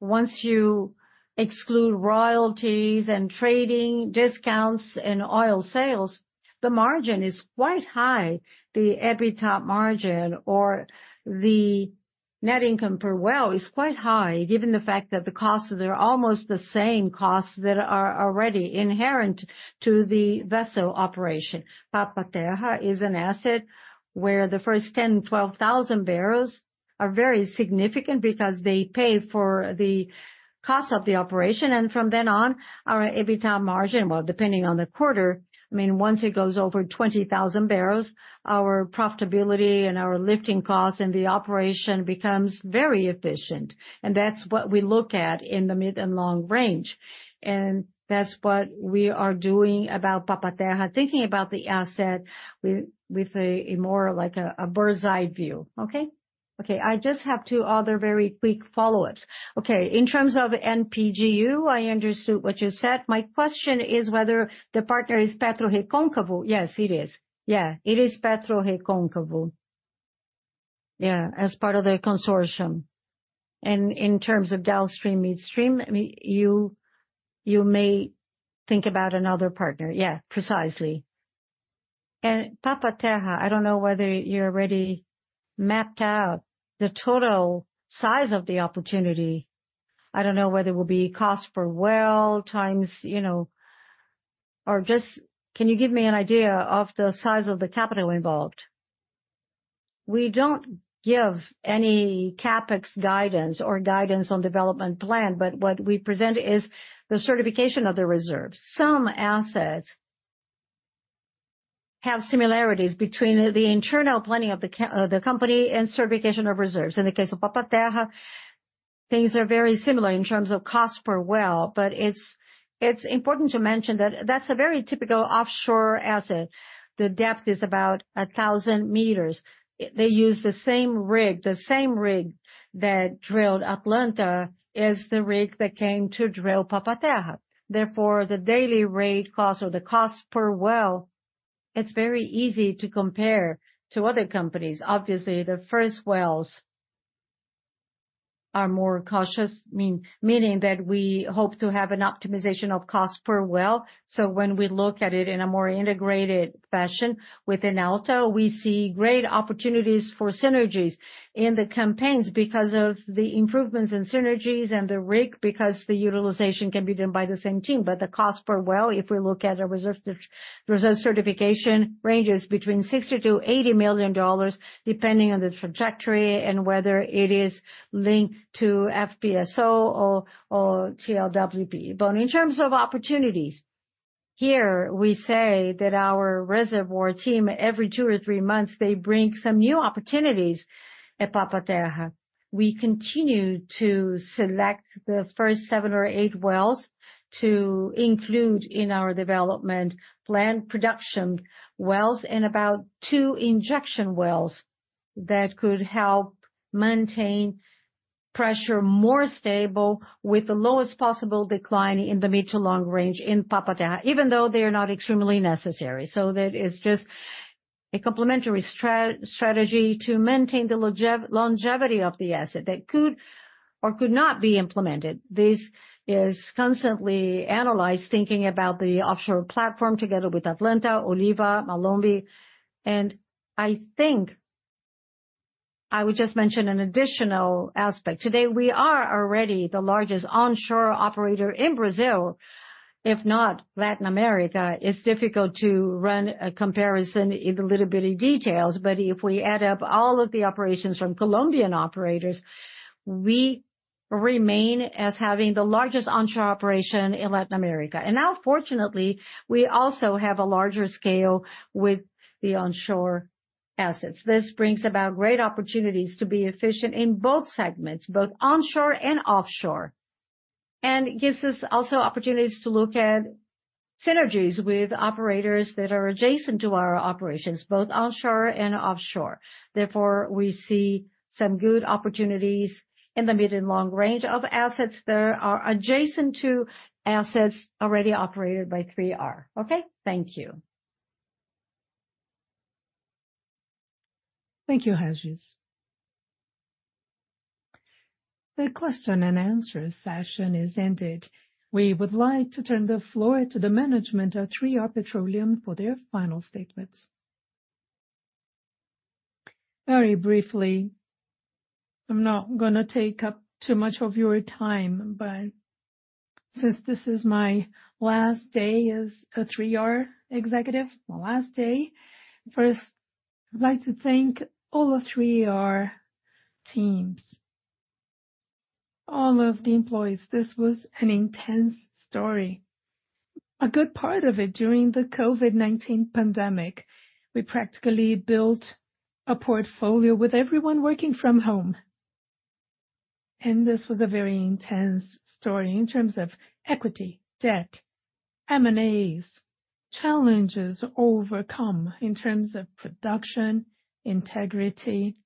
once you exclude royalties and trading discounts and oil sales, the margin is quite high. The EBITDA margin or the net income per well is quite high, given the fact that the costs are almost the same costs that are already inherent to the vessel operation. Papa-Terra is an asset where the first 10-12,000 barrels are very significant because they pay for the cost of the operation, and from then on, our EBITDA margin, well, depending on the quarter, I mean, once it goes over 20,000 barrels, our profitability and our lifting costs and the operation becomes very efficient. And that's what we look at in the mid and long range, and that's what we are doing about Papa-Terra, thinking about the asset with, with a, a more like a, a bird's-eye view. Okay? Okay. I just have two other very quick follow-ups. Okay, in terms of NGPU, I understood what you said. My question is whether the partner is PetroRecôncavo? Yes, it is. Yeah, it is PetroRecôncavo. Yeah, as part of the consortium. And in terms of downstream, midstream, I mean, you, you may think about another partner? Yeah, precisely. Papa-Terra, I don't know whether you already mapped out the total size of the opportunity. I don't know whether it will be cost per well, times, you know... or just can you give me an idea of the size of the capital involved? We don't give any CapEx guidance or guidance on development plan, but what we present is the certification of the reserves. Some assets have similarities between the internal planning of the company and certification of reserves. In the case of Papa-Terra, things are very similar in terms of cost per well, but it's important to mention that that's a very typical offshore asset. The depth is about 1,000 meters. They use the same rig, the same rig that drilled Atlanta is the rig that came to drill Papa-Terra. Therefore, the daily rate cost or the cost per well, it's very easy to compare to other companies. Obviously, the first wells are more cautious, meaning that we hope to have an optimization of cost per well. So when we look at it in a more integrated fashion within Atlanta, we see great opportunities for synergies in the campaigns because of the improvements in synergies and the rig, because the utilization can be done by the same team. But the cost per well, if we look at a reserve reserve certification, ranges between $60 million-$80 million, depending on the trajectory and whether it is linked to FPSO or TLWP. But in terms of opportunities, here we say that our reservoir team, every two or three months, they bring some new opportunities at Papa-Terra. We continue to select the first 7 or 8 wells to include in our development plan, production wells, and about 2 injection wells that could help maintain pressure more stable with the lowest possible decline in the mid to long range in Papa-Terra, even though they are not extremely necessary. So that is just a complementary strategy to maintain the longevity of the asset that could or could not be implemented. This is constantly analyzed, thinking about the offshore platform together with Atlanta, Oliva, Malomba. And I think I would just mention an additional aspect. Today, we are already the largest onshore operator in Brazil, if not Latin America. It's difficult to run a comparison in the little bitty details, but if we add up all of the operations from Colombian operators, we remain as having the largest onshore operation in Latin America. And now, fortunately, we also have a larger scale with the onshore assets. This brings about great opportunities to be efficient in both segments, both onshore and offshore, and gives us also opportunities to look at synergies with operators that are adjacent to our operations, both onshore and offshore. Therefore, we see some good opportunities in the mid and long range of assets that are adjacent to assets already operated by 3R. Okay? Thank you. Thank you, Regis. The question and answer session is ended. We would like to turn the floor to the management of 3R Petroleum for their final statements. Very briefly, I'm not gonna take up too much of your time, but since this is my last day as a 3R executive, my last day. First, I'd like to thank all the 3R teams, all of the employees. This was an intense story. A good part of it during the COVID-19 pandemic, we practically built a portfolio with everyone working from home. This was a very intense story in terms of equity, debt, M&As, challenges overcome in terms of production, integrity.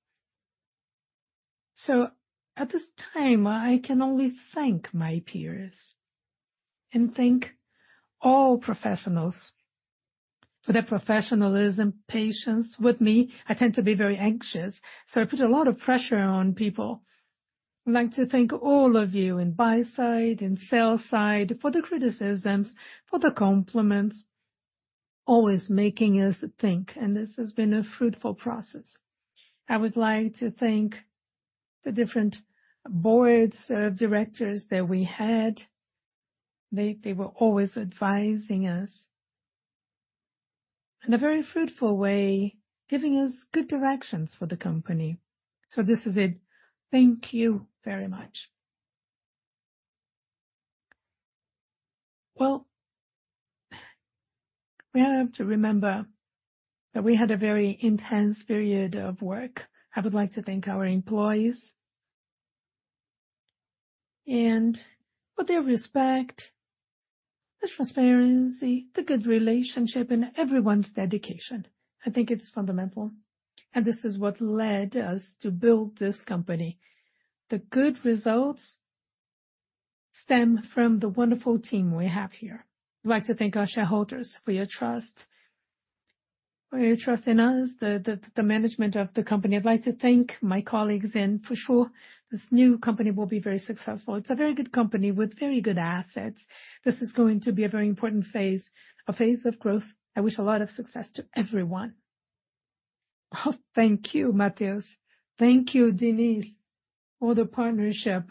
So at this time, I can only thank my peers and thank all professionals for their professionalism, patience with me. I tend to be very anxious, so I put a lot of pressure on people. I'd like to thank all of you in buy side and sell side, for the criticisms, for the compliments, always making us think, and this has been a fruitful process. I would like to thank the different boards of directors that we had. They, they were always advising us in a very fruitful way, giving us good directions for the company. So this is it. Thank you very much. Well, we have to remember that we had a very intense period of work. I would like to thank our employees and for their respect, the transparency, the good relationship, and everyone's dedication. I think it's fundamental, and this is what led us to build this company. The good results stem from the wonderful team we have here. I'd like to thank our shareholders for your trust, for your trust in us, the management of the company. I'd like to thank my colleagues, and for sure, this new company will be very successful. It's a very good company with very good assets. This is going to be a very important phase, a phase of growth. I wish a lot of success to everyone. Oh, thank you, Matheus. Thank you, Diniz, for the partnership.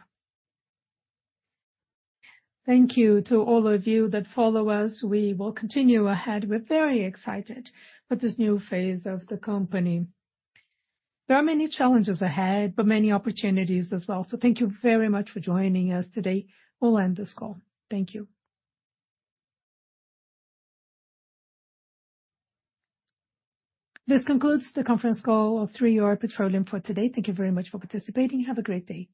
Thank you to all of you that follow us. We will continue ahead. We're very excited for this new phase of the company. There are many challenges ahead, but many opportunities as well. Thank you very much for joining us today. We'll end this call. Thank you. This concludes the conference call of 3R Petroleum for today. Thank you very much for participating. Have a great day.